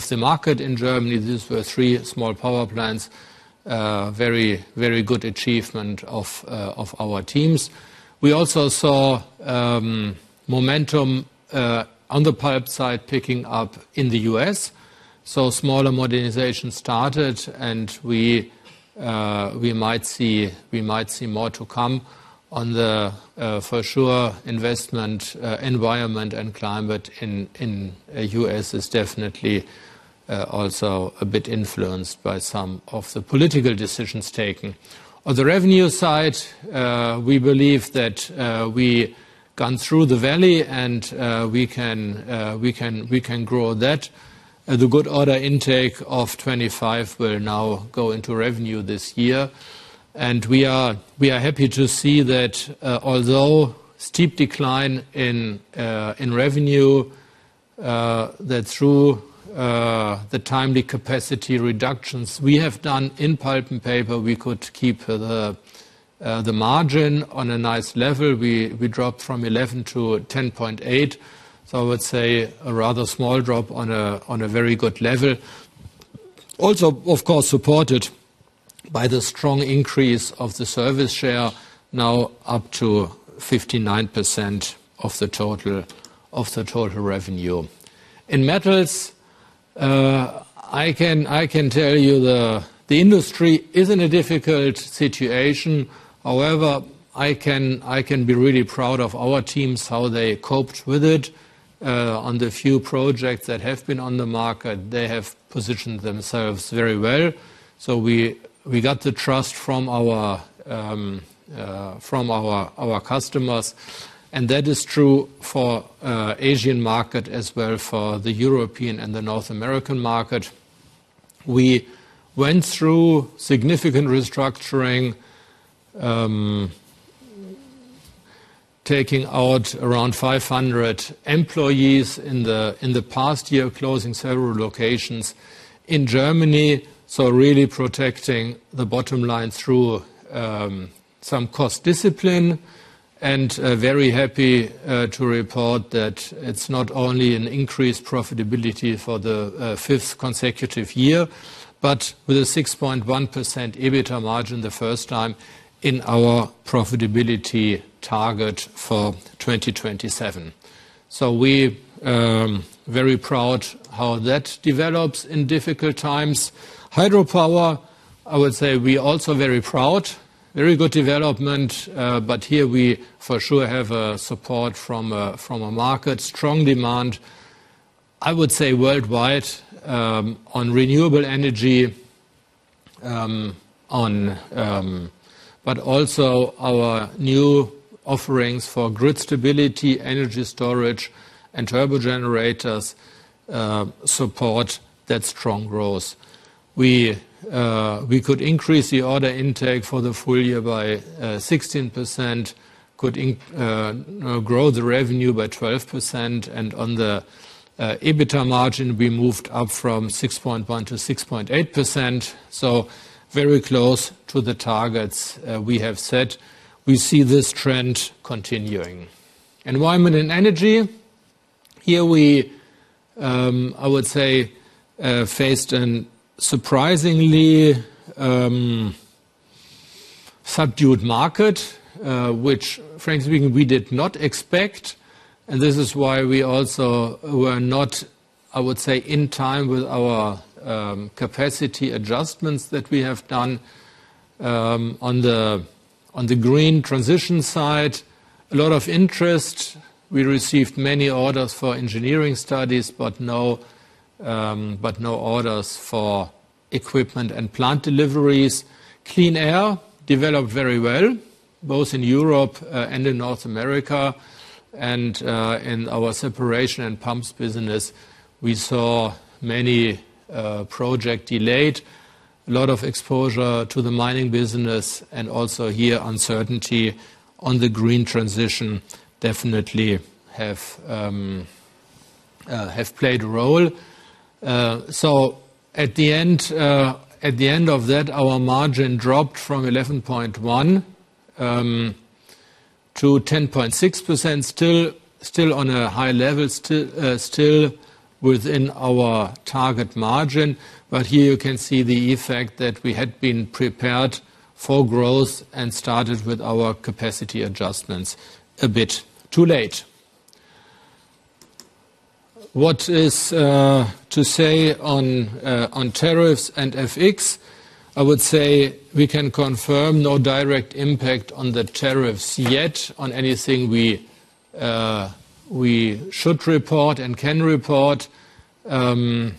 C: the market in Germany. These were three small power plants. Very good achievement of our teams. We also saw momentum on the pipe side picking up in the U.S. Smaller modernization started, and we might see more to come on the for sure investment environment and climate in U.S. is definitely also a bit influenced by some of the political decisions taken. On the revenue side, we believe that we gone through the valley and we can grow that. The good order intake of 2025 will now go into revenue this year. We are happy to see that, although steep decline in revenue, that through the timely capacity reductions we have done in Pulp & Paper, we could keep the margin on a nice level. We dropped from 11 to 10.8. I would say a rather small drop on a very good level. Also, of course, supported by the strong increase of the service share now up to 59% of the total revenue. In Metals, I can tell you the industry is in a difficult situation. However, I can be really proud of our teams, how they coped with it. On the few projects that have been on the market, they have positioned themselves very well. We got the trust from our customers. That is true for Asian market as well for the European and the North American market. We went through significant restructuring, taking out around 500 employees in the past year, closing several locations in Germany. Really protecting the bottom line through some cost discipline. Very happy to report that it's not only an increased profitability for the 5th consecutive year, but with a 6.1% EBITA margin the first time in our profitability target for 2027. We very proud how that develops in difficult times. Hydropower, I would say we also very proud. Very good development, but here we for sure have a support from a market. Strong demand, I would say worldwide, on renewable energy, on... Also our new offerings for grid stability, energy storage, and turbo generators support that strong growth. We could increase the order intake for the full year by 16%, grow the revenue by 12%, and on the EBITA margin, we moved up from 6.1% to 6.8%. Very close to the targets we have set. We see this trend continuing. Environment & Energy. Here we, I would say, faced an surprisingly subdued market, which frankly speaking, we did not expect. This is why we also were not, I would say, in time with our capacity adjustments that we have done on the green transition side. A lot of interest. We received many orders for engineering studies, but no, but no orders for equipment and plant deliveries. Clean air developed very well, both in Europe, and in North America. In our separation and pumps business, we saw many project delayed. A lot of exposure to the mining business and also here uncertainty on the green transition definitely have played a role. At the end, at the end of that, our margin dropped from 11.1 to 10.6%. Still on a high level. Still within our target margin. Here you can see the effect that we had been prepared for growth and started with our capacity adjustments a bit too late. What is to say on tariffs and FX? I would say we can confirm no direct impact on the tariffs yet on anything we should report and can report. We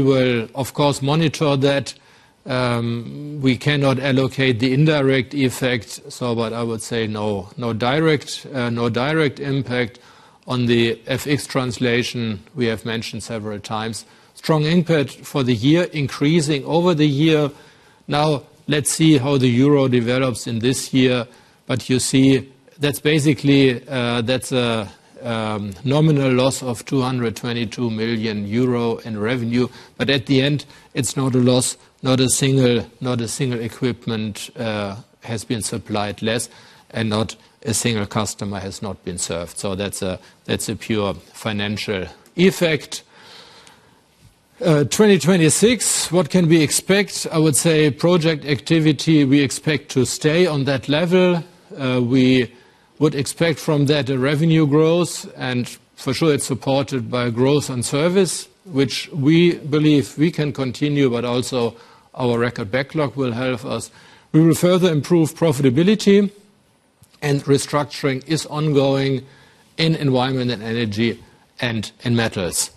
C: will, of course, monitor that. We cannot allocate the indirect effect. What I would say, no direct, no direct impact on the FX translation we have mentioned several times. Strong input for the year, increasing over the year. Now, let's see how the euro develops in this year. You see that's basically, that's a nominal loss of 222 million euro in revenue. At the end, it's not a loss. Not a single equipment has been supplied less, and not a single customer has not been served. That's a pure financial effect. 2026, what can we expect? I would say project activity, we expect to stay on that level. We would expect from that a revenue growth. For sure it's supported by growth and service, which we believe we can continue, but also our record backlog will help us. We will further improve profitability. Restructuring is ongoing in Environment & Energy and in Metals.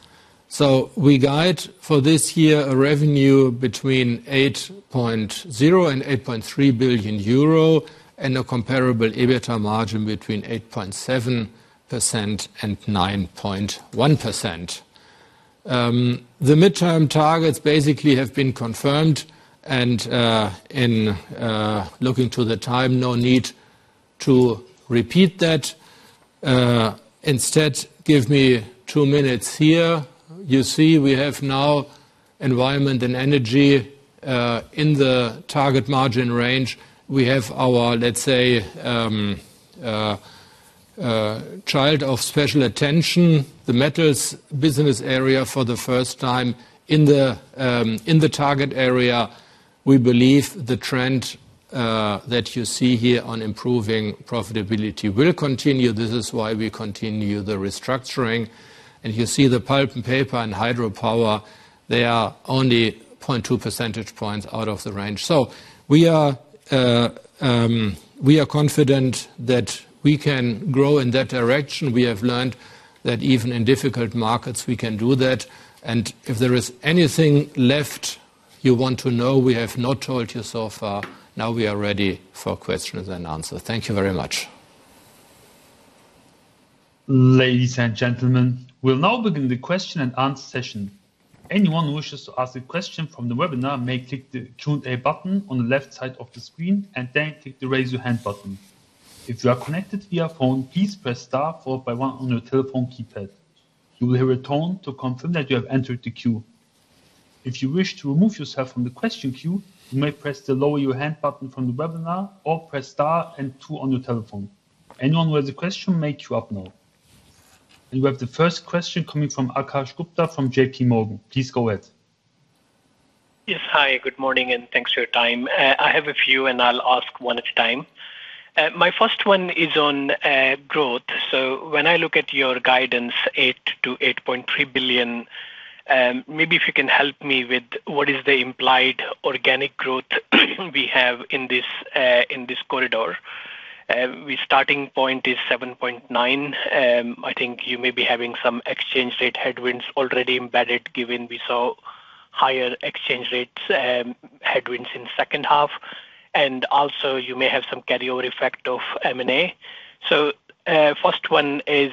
C: We guide for this year a revenue between 8.0 billion and 8.3 billion euro and a comparable EBITDA margin between 8.7% and 9.1%. The midterm targets basically have been confirmed. In looking to the time, no need to repeat that. Instead, give me two minutes here. You see we have now Environment & Energy in the target margin range. We have our, let's say, child of special attention, the Metals business area for the first time in the target area. We believe the trend that you see here on improving profitability will continue. This is why we continue the restructuring. You see the Pulp & Paper and Hydropower, they are only 0.2 percentage points out of the range. We are confident that we can grow in that direction. We have learned that even in difficult markets we can do that. If there is anything left you want to know, we have not told you so far, now we are ready for questions and answer. Thank you very much.
A: Ladies and gentlemen, we'll now begin the question and answer session. Anyone who wishes to ask a question from the webinar may click the Q&A button on the left side of the screen and then click the Raise Your Hand button. If you are connected via phone, please press star followed by one on your telephone keypad. You will hear a tone to confirm that you have entered the queue. If you wish to remove yourself from the question queue, you may press the Lower Your Hand button from the webinar or press star and two on your telephone. Anyone with a question may queue up now. We have the first question coming from Akash Gupta from JPMorgan. Please go ahead.
E: Yes. Hi, good morning, and thanks for your time. I have a few, and I'll ask one at a time. My first one is on growth. When I look at your guidance, 8 billion-8.3 billion, maybe if you can help me with what is the implied organic growth we have in this corridor. The starting point is 7.9 billion. I think you may be having some exchange rate headwinds already embedded, given we saw higher exchange rates headwinds in second half. Also you may have some carryover effect of M&A. First one is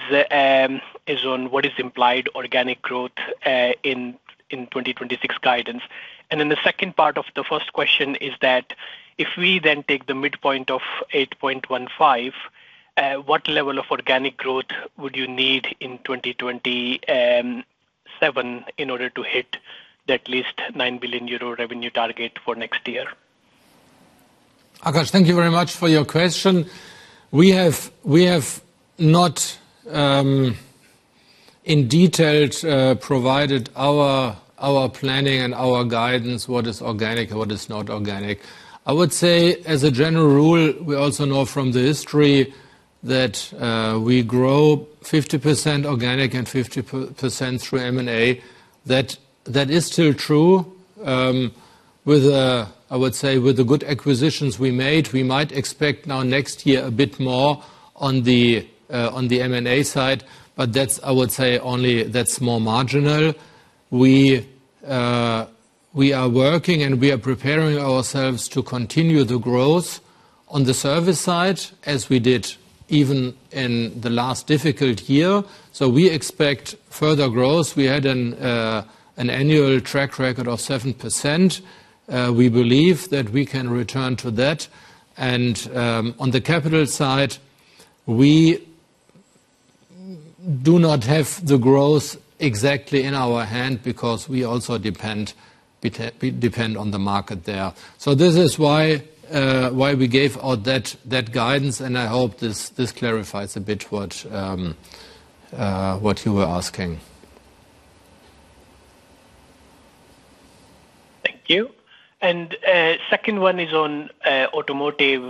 E: on what is implied organic growth in 2026 guidance. The second part of the first question is that if we then take the midpoint of 8.15, what level of organic growth would you need in 2027 in order to hit the at least 9 billion euro revenue target for next year?
C: Akash, thank you very much for your question. We have not in detail provided our planning and our guidance, what is organic and what is not organic. I would say as a general rule, we also know from the history that we grow 50% organic and 50% through M&A. That is still true. With I would say with the good acquisitions we made, we might expect now next year a bit more on the M&A side, but that's, I would say, only that's more marginal. We are working, and we are preparing ourselves to continue the growth on the service side as we did even in the last difficult year. We expect further growth. We had an annual track record of 7%. We believe that we can return to that. On the capital side, We do not have the growth exactly in our hand because we also depend on the market there. This is why we gave out that guidance, and I hope this clarifies a bit what you were asking.
E: Thank you. Second one is on Automotive,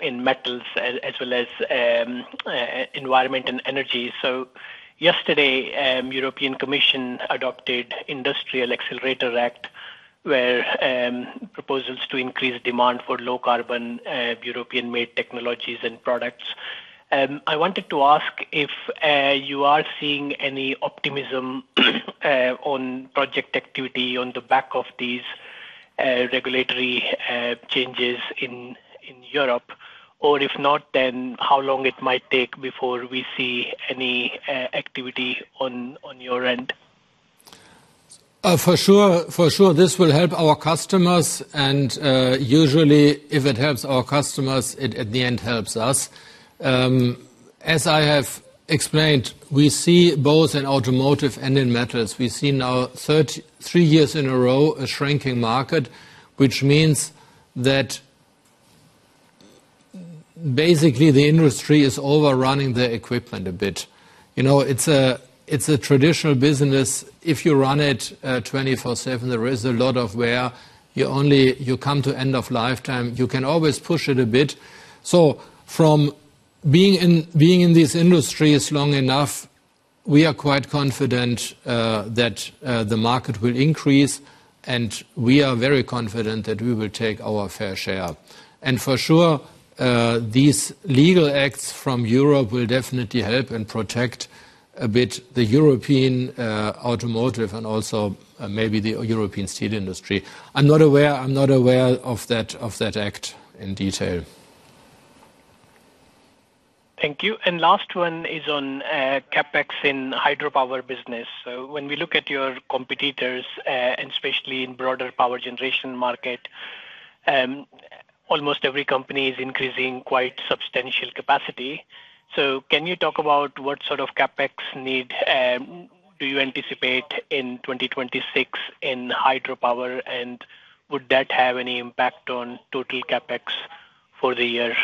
E: in Metals as well as Environment & Energy. Yesterday, European Commission adopted Net-Zero Industry Act, where proposals to increase demand for low carbon, European-made technologies and products. I wanted to ask if you are seeing any optimism, on project activity on the back of these regulatory changes in Europe, or if not, then how long it might take before we see any activity on your end?
C: For sure, for sure this will help our customers and usually if it helps our customers, it at the end helps us. As I have explained, we see both in Automotive and in Metals. We've seen now 33 years in a row a shrinking market, which means that basically the industry is overrunning the equipment a bit. You know, it's a, it's a traditional business. If you run it 24/7, there is a lot of wear. You come to end of lifetime. You can always push it a bit. From being in this industry is long enough, we are quite confident that the market will increase, and we are very confident that we will take our fair share. For sure, these legal acts from Europe will definitely help and protect a bit the European, automotive and also maybe the European Steel industry. I'm not aware of that act in detail.
E: Thank you. Last one is on CapEx in Hydropower business. When we look at your competitors, and especially in broader power generation market, almost every company is increasing quite substantial capacity. Can you talk about what sort of CapEx need, do you anticipate in 2026 in Hydropower, and would that have any impact on total CapEx for the year?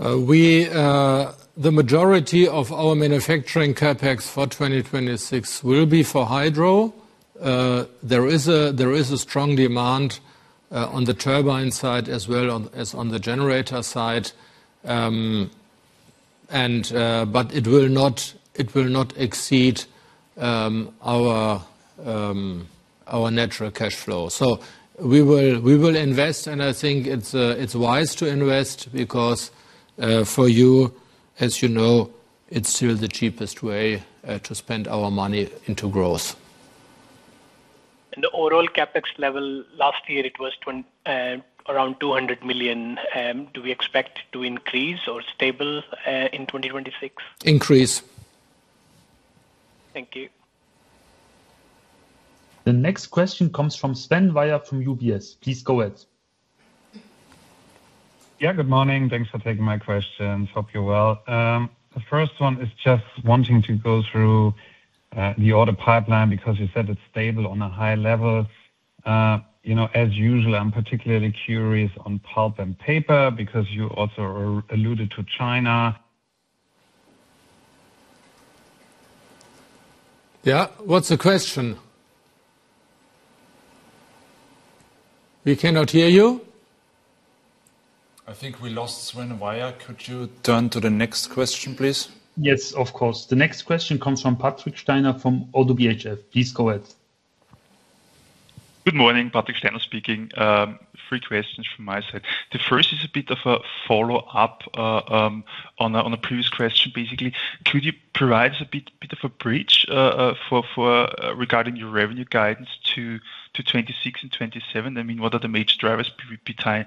C: We, the majority of our manufacturing CapEx for 2026 will be for hydro. There is a strong demand on the turbine side as well as on the generator side. It will not exceed our natural cash flow. We will invest, I think it's wise to invest because for you, as you know, it's still the cheapest way to spend our money into growth.
E: The overall CapEx level last year it was around 200 million. Do we expect to increase or stable in 2026?
C: Increase.
E: Thank you.
A: The next question comes from Sven Weier from UBS. Please go ahead.
F: Yeah, good morning. Thanks for taking my question. Hope you're well. The first one is just wanting to go through the order pipeline because you said it's stable on a high level. You know, as usual, I'm particularly curious on Pulp and Paper because you also alluded to China.
C: Yeah. What's the question? We cannot hear you. I think we lost Sven Weier. Could you turn to the next question, please?
A: Yes, of course. The next question comes from Patrick Steiner from ODDO BHF. Please go ahead.
G: Good morning. Patrick Steiner speaking. 3 questions from my side. The first is a bit of a follow-up on a previous question, basically. Could you provide a bit of a bridge regarding your revenue guidance to 2026 and 2027? I mean, what are the major drivers behind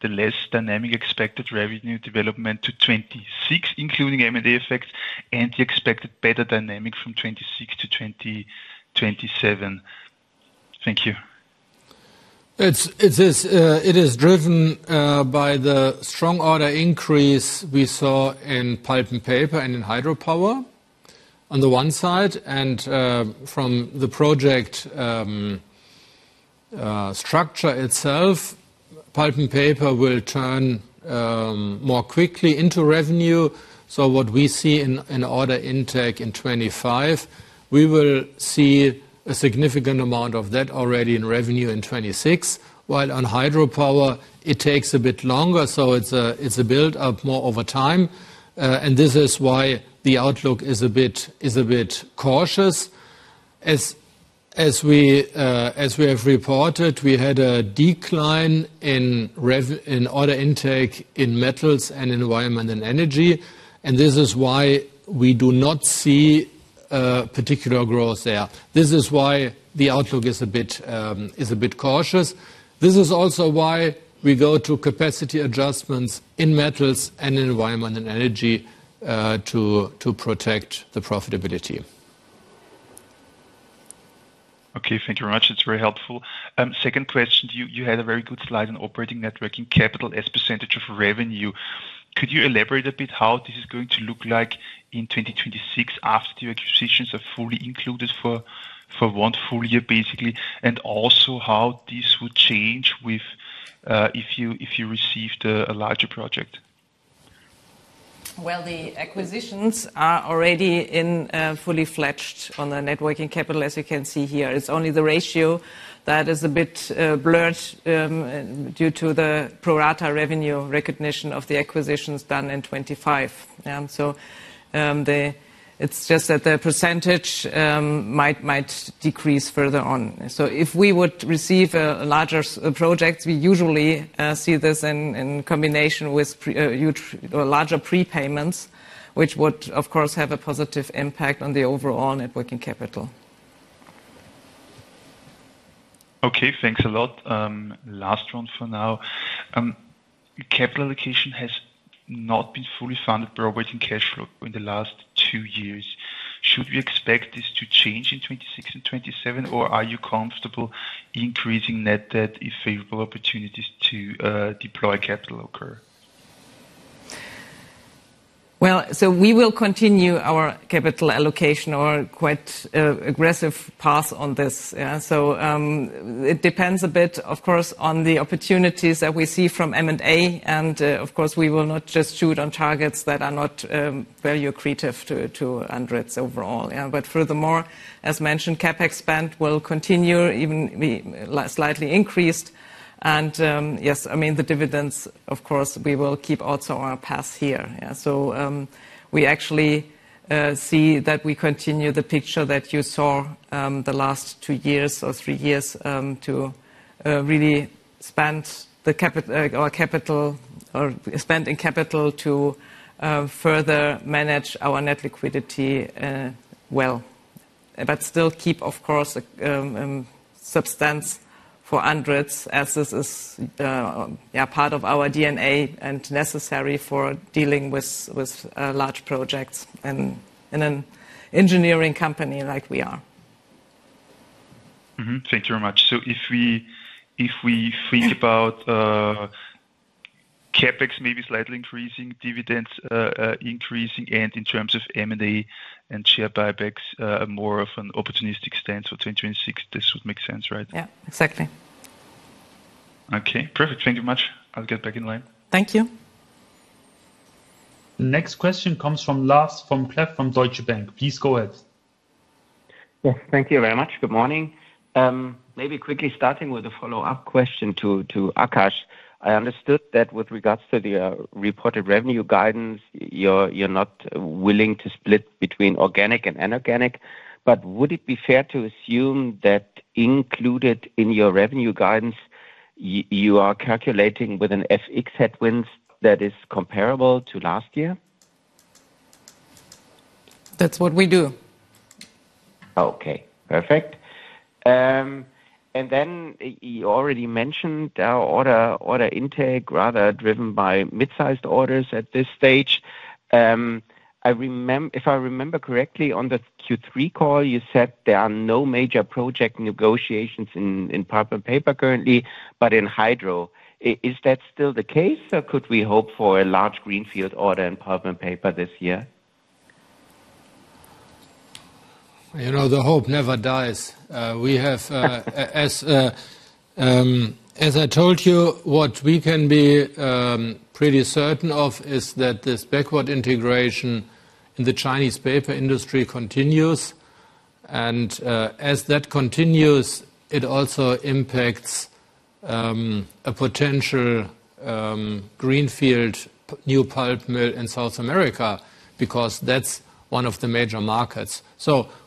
G: the less dynamic expected revenue development to 2026, including M&A effects, and the expected better dynamic from 2026 to 2027? Thank you.
C: It is driven by the strong order increase we saw in Pulp & Paper and in Hydropower on the one side and from the project structure itself. Pulp & Paper will turn more quickly into revenue. What we see in order intake in 2025, we will see a significant amount of that already in revenue in 2026. While on Hydropower, it takes a bit longer, so it's a build-up more over time. This is why the outlook is a bit cautious. As we have reported, we had a decline in order intake in Metals and Environment & Energy, this is why we do not see particular growth there. This is why the outlook is a bit cautious. This is also why we go to capacity adjustments in Metals and Environment & Energy, to protect the profitability.
G: Okay. Thank you very much. It's very helpful. Second question to you. You had a very good slide on operating net working capital as percentage of revenue. Could you elaborate a bit how this is going to look like in 2026 after your acquisitions are fully included for one full year, basically? Also how this would change with if you, if you received a larger project.
D: Well, the acquisitions are already in, fully fledged on the net working capital, as you can see here. It's only the ratio that is a bit blurred due to the pro rata revenue recognition of the acquisitions done in 2025. It's just that the percentage might decrease further on. If we would receive a larger project, we usually see this in combination with huge or larger prepayments, which would of course have a positive impact on the overall net working capital.
G: Okay. Thanks a lot. Last one for now. Capital allocation has not been fully funded by operating cash flow in the last 2 years. Should we expect this to change in 26 and 27, or are you comfortable increasing net debt if favorable opportunities to deploy capital occur?
D: We will continue our capital allocation or quite aggressive path on this. It depends a bit, of course, on the opportunities that we see from M&A, and, of course, we will not just shoot on targets that are not very accretive to ANDRITZ overall. Furthermore, as mentioned, CapEx spend will continue, even be slightly increased. Yes, I mean, the dividends, of course, we will keep also our path here. We actually see that we continue the picture that you saw the last two years or three years to really spend spending capital to further manage our net liquidity well. still keep, of course, substance for ANDRITZ as this is, yeah, part of our DNA and necessary for dealing with large projects in an engineering company like we are.
G: Thank you very much. If we think about CapEx maybe slightly increasing dividends, increasing and in terms of M&A and share buybacks, more of an opportunistic stance for 2026, this would make sense, right?
D: Yeah. Exactly.
G: Okay. Perfect. Thank you much. I'll get back in line.
D: Thank you.
A: Next question comes from Lars Vom Cleff from Deutsche Bank. Please go ahead.
H: Yeah. Thank you very much. Good morning. Maybe quickly starting with a follow-up question to Akash. I understood that with regards to the reported revenue guidance, you're not willing to split between organic and inorganic. Would it be fair to assume that included in your revenue guidance, you are calculating with an FX headwinds that is comparable to last year?
D: That's what we do.
H: Okay. Perfect. You already mentioned our order intake, rather driven by mid-sized orders at this stage. If I remember correctly on the Q3 call, you said there are no major project negotiations in Pulp & Paper currently, but in hydro. Is that still the case, or could we hope for a large greenfield order in Pulp & Paper this year?
C: You know, the hope never dies. We have, as I told you, what we can be pretty certain of is that this backward integration in the Chinese Paper industry continues. As that continues, it also impacts a potential greenfield new pulp mill in South America because that's one of the major markets.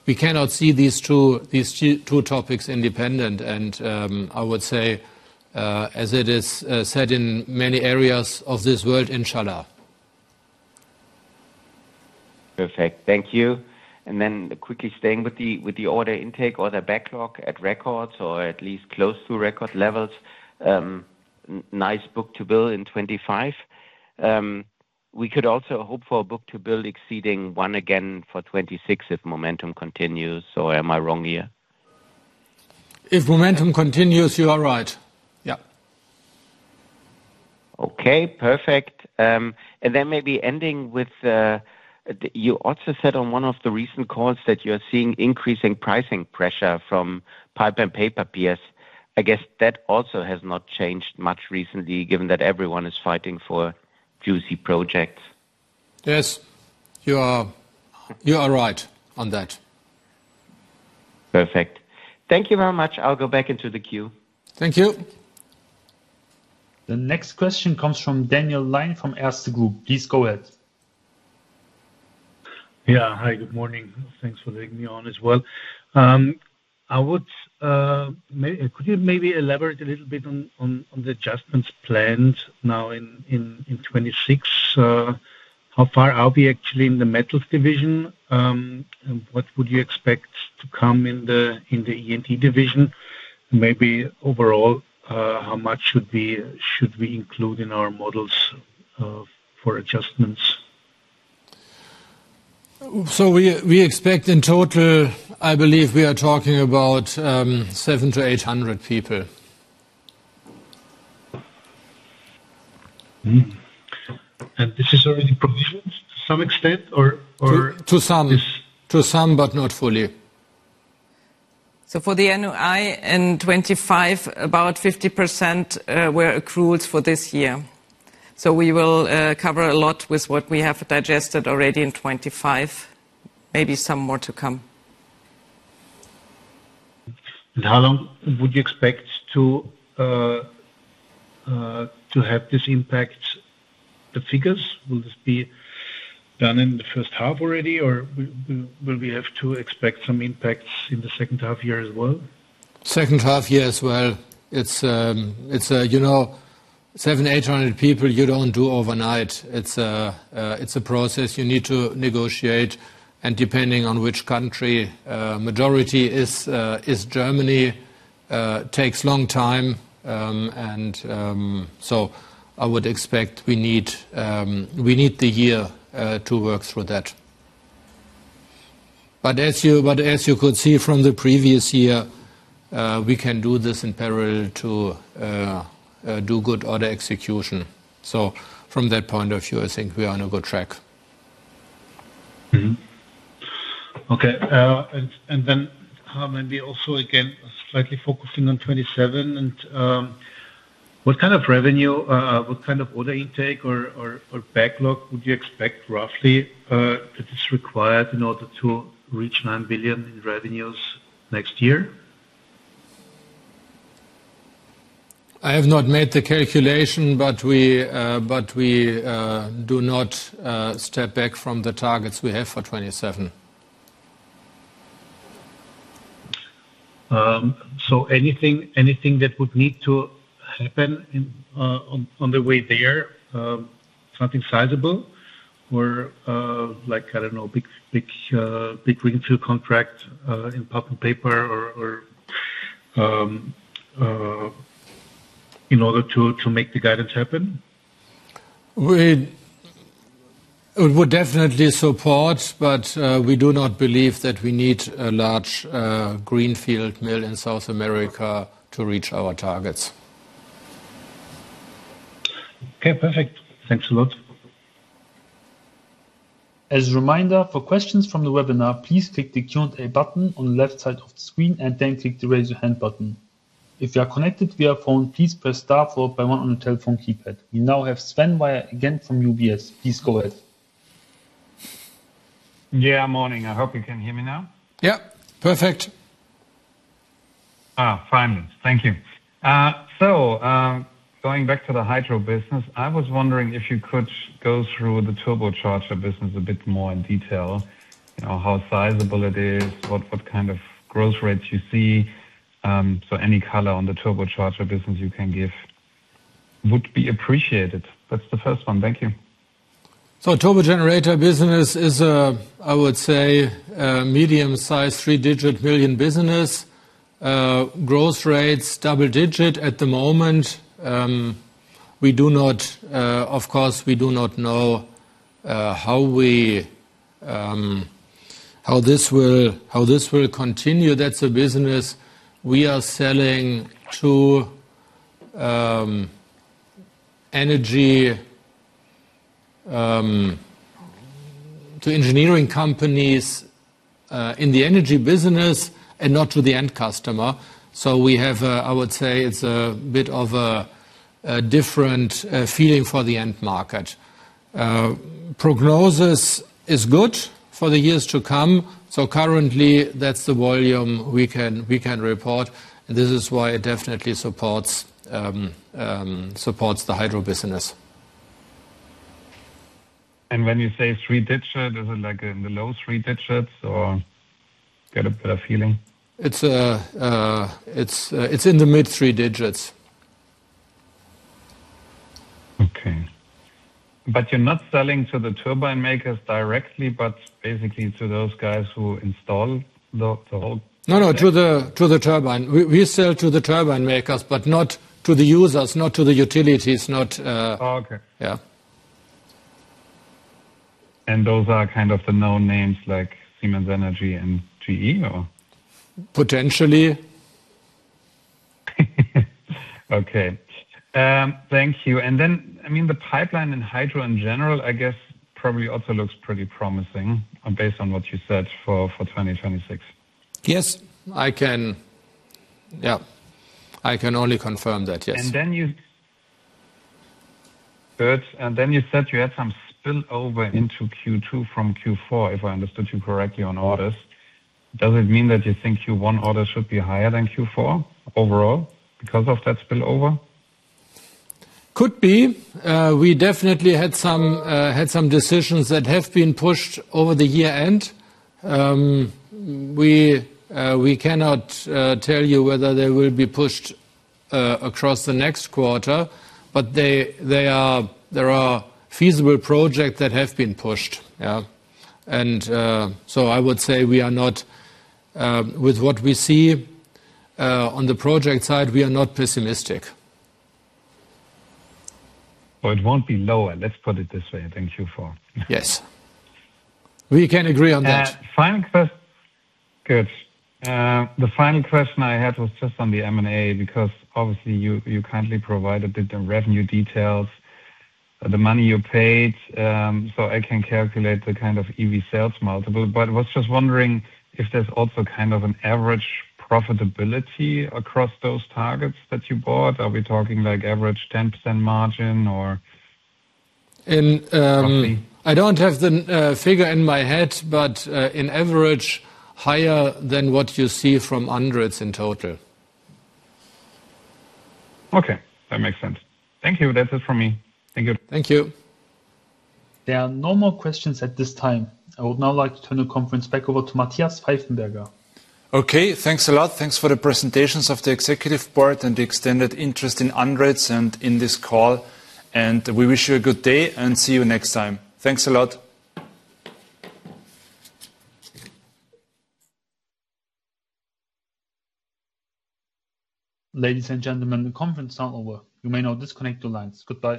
C: We cannot see these two topics independent. I would say, as it is said in many areas of this world, Inshallah.
H: Perfect. Thank you. Quickly staying with the, with the order intake, order backlog at records or at least close to record levels. Nice book-to-bill in 25. We could also hope for a book-to-bill exceeding 1 again for 26 if momentum continues, or am I wrong here?
C: If momentum continues, you are right. Yeah.
H: Okay. Perfect. Maybe ending with, you also said on one of the recent calls that you're seeing increasing pricing pressure from Pulp & Paper peers. I guess that also has not changed much recently, given that everyone is fighting for juicy projects.
C: Yes. You are right on that.
H: Perfect. Thank you very much. I'll go back into the queue.
C: Thank you.
A: The next question comes from Daniel Lion from Erste Group. Please go ahead.
I: Yeah. Hi, good morning. Thanks for letting me on as well. Could you maybe elaborate a little bit on the adjustments planned now in 2026? How far are we actually in the Metals division? What would you expect to come in the E&T division? Maybe overall, how much should we include in our models, for adjustments?
C: We expect in total, I believe we are talking about, 700-800 people.
I: This is already provisioned to some extent or.
C: To some. To some, but not fully.
D: For the NOI in 25, about 50% were accruals for this year. We will cover a lot with what we have digested already in 25, maybe some more to come.
I: How long would you expect to have this impact the figures? Will this be done in the first half already, or will we have to expect some impacts in the second half year as well?
C: Second half year as well. It's, you know, 700-800 people you don't do overnight. It's a process you need to negotiate. Depending on which country, majority is Germany, takes long time. I would expect we need the year to work through that. As you could see from the previous year, we can do this in parallel to do good order execution. From that point of view, I think we are on a good track.
I: Okay. Maybe also, again, slightly focusing on 2027 and what kind of revenue, what kind of order intake or backlog would you expect roughly, that is required in order to reach 9 billion in revenues next year?
C: I have not made the calculation, but we do not step back from the targets we have for 2027.
I: Anything, anything that would need to happen in on the way there, something sizable or like, I don't know, big greenfield contract in Pulp & Paper or in order to make the guidance happen?
C: It would definitely support, but we do not believe that we need a large greenfield mill in South America to reach our targets.
I: Okay, perfect. Thanks a lot.
A: As a reminder, for questions from the webinar, please click the Q&A button on the left side of the screen and then click the Raise Your Hand button. If you are connected via phone, please press star 4 by 1 on your telephone keypad. We now have Sven Weier again from UBS. Please go ahead.
F: Yeah, morning. I hope you can hear me now.
C: Yeah. Perfect.
F: Finally. Thank you. Going back to the hydro business, I was wondering if you could go through the turbo generator business a bit more in detail. You know, how sizable it is, what kind of growth rates you see. Any color on the turbo generator business you can give would be appreciated. That's the first one. Thank you.
C: turbogenerator business is a medium-sized EUR three-digit million business. Growth rates double-digit at the moment. We do not, of course, we do not know how this will continue. That's a business we are selling to energy, to engineering companies in the energy business and not to the end customer. I would say, it's a bit of a different feeling for the end market. Prognosis is good for the years to come. Currently, that's the volume we can report. This is why it definitely supports the hydro business.
F: When you say three digits, is it like in the low three digits or? Get a bit of feeling.
C: It's in the mid three digits.
F: Okay. You're not selling to the turbine makers directly, but basically to those guys who install the.
C: No, no, to the turbine. We sell to the turbine makers, but not to the users, not to the utilities, not.
F: Oh, okay.
C: Yeah.
F: Those are kind of the known names like Siemens Energy and GE, or?
C: Potentially.
F: Okay. Thank you. I mean, the pipeline in hydro in general, I guess, probably also looks pretty promising based on what you said for 2026.
C: Yes. Yeah. I can only confirm that, yes.
F: Kurt, and then you said you had some spillover into Q2 from Q4, if I understood you correctly on orders. Does it mean that you think Q1 orders should be higher than Q4 overall because of that spillover?
C: Could be. We definitely had some, had some decisions that have been pushed over the year-end. We, we cannot tell you whether they will be pushed across the next quarter, but there are feasible projects that have been pushed. Yeah. So I would say we are not, with what we see, on the project side, we are not pessimistic.
F: It won't be lower, let's put it this way than Q4.
C: Yes. We can agree on that.
F: Final question, Kurt, the final question I had was just on the M&A, because obviously you kindly provided the revenue details, the money you paid, so I can calculate the kind of EV sales multiple. I was just wondering if there's also kind of an average profitability across those targets that you bought. Are we talking like average 10% margin or?
C: In
F: Roughly.
C: I don't have the figure in my head, but in average, higher than what you see from ANDRITZ in total.
F: Okay. That makes sense. Thank you. That's it from me. Thank you.
C: Thank you.
A: There are no more questions at this time. I would now like to turn the conference back over to Matthias Pfeifenberger.
B: Okay. Thanks a lot. Thanks for the presentations of the executive board and the extended interest in ANDRITZ and in this call. We wish you a good day and see you next time. Thanks a lot.
A: Ladies and gentlemen, the conference is now over. You may now disconnect your lines. Goodbye.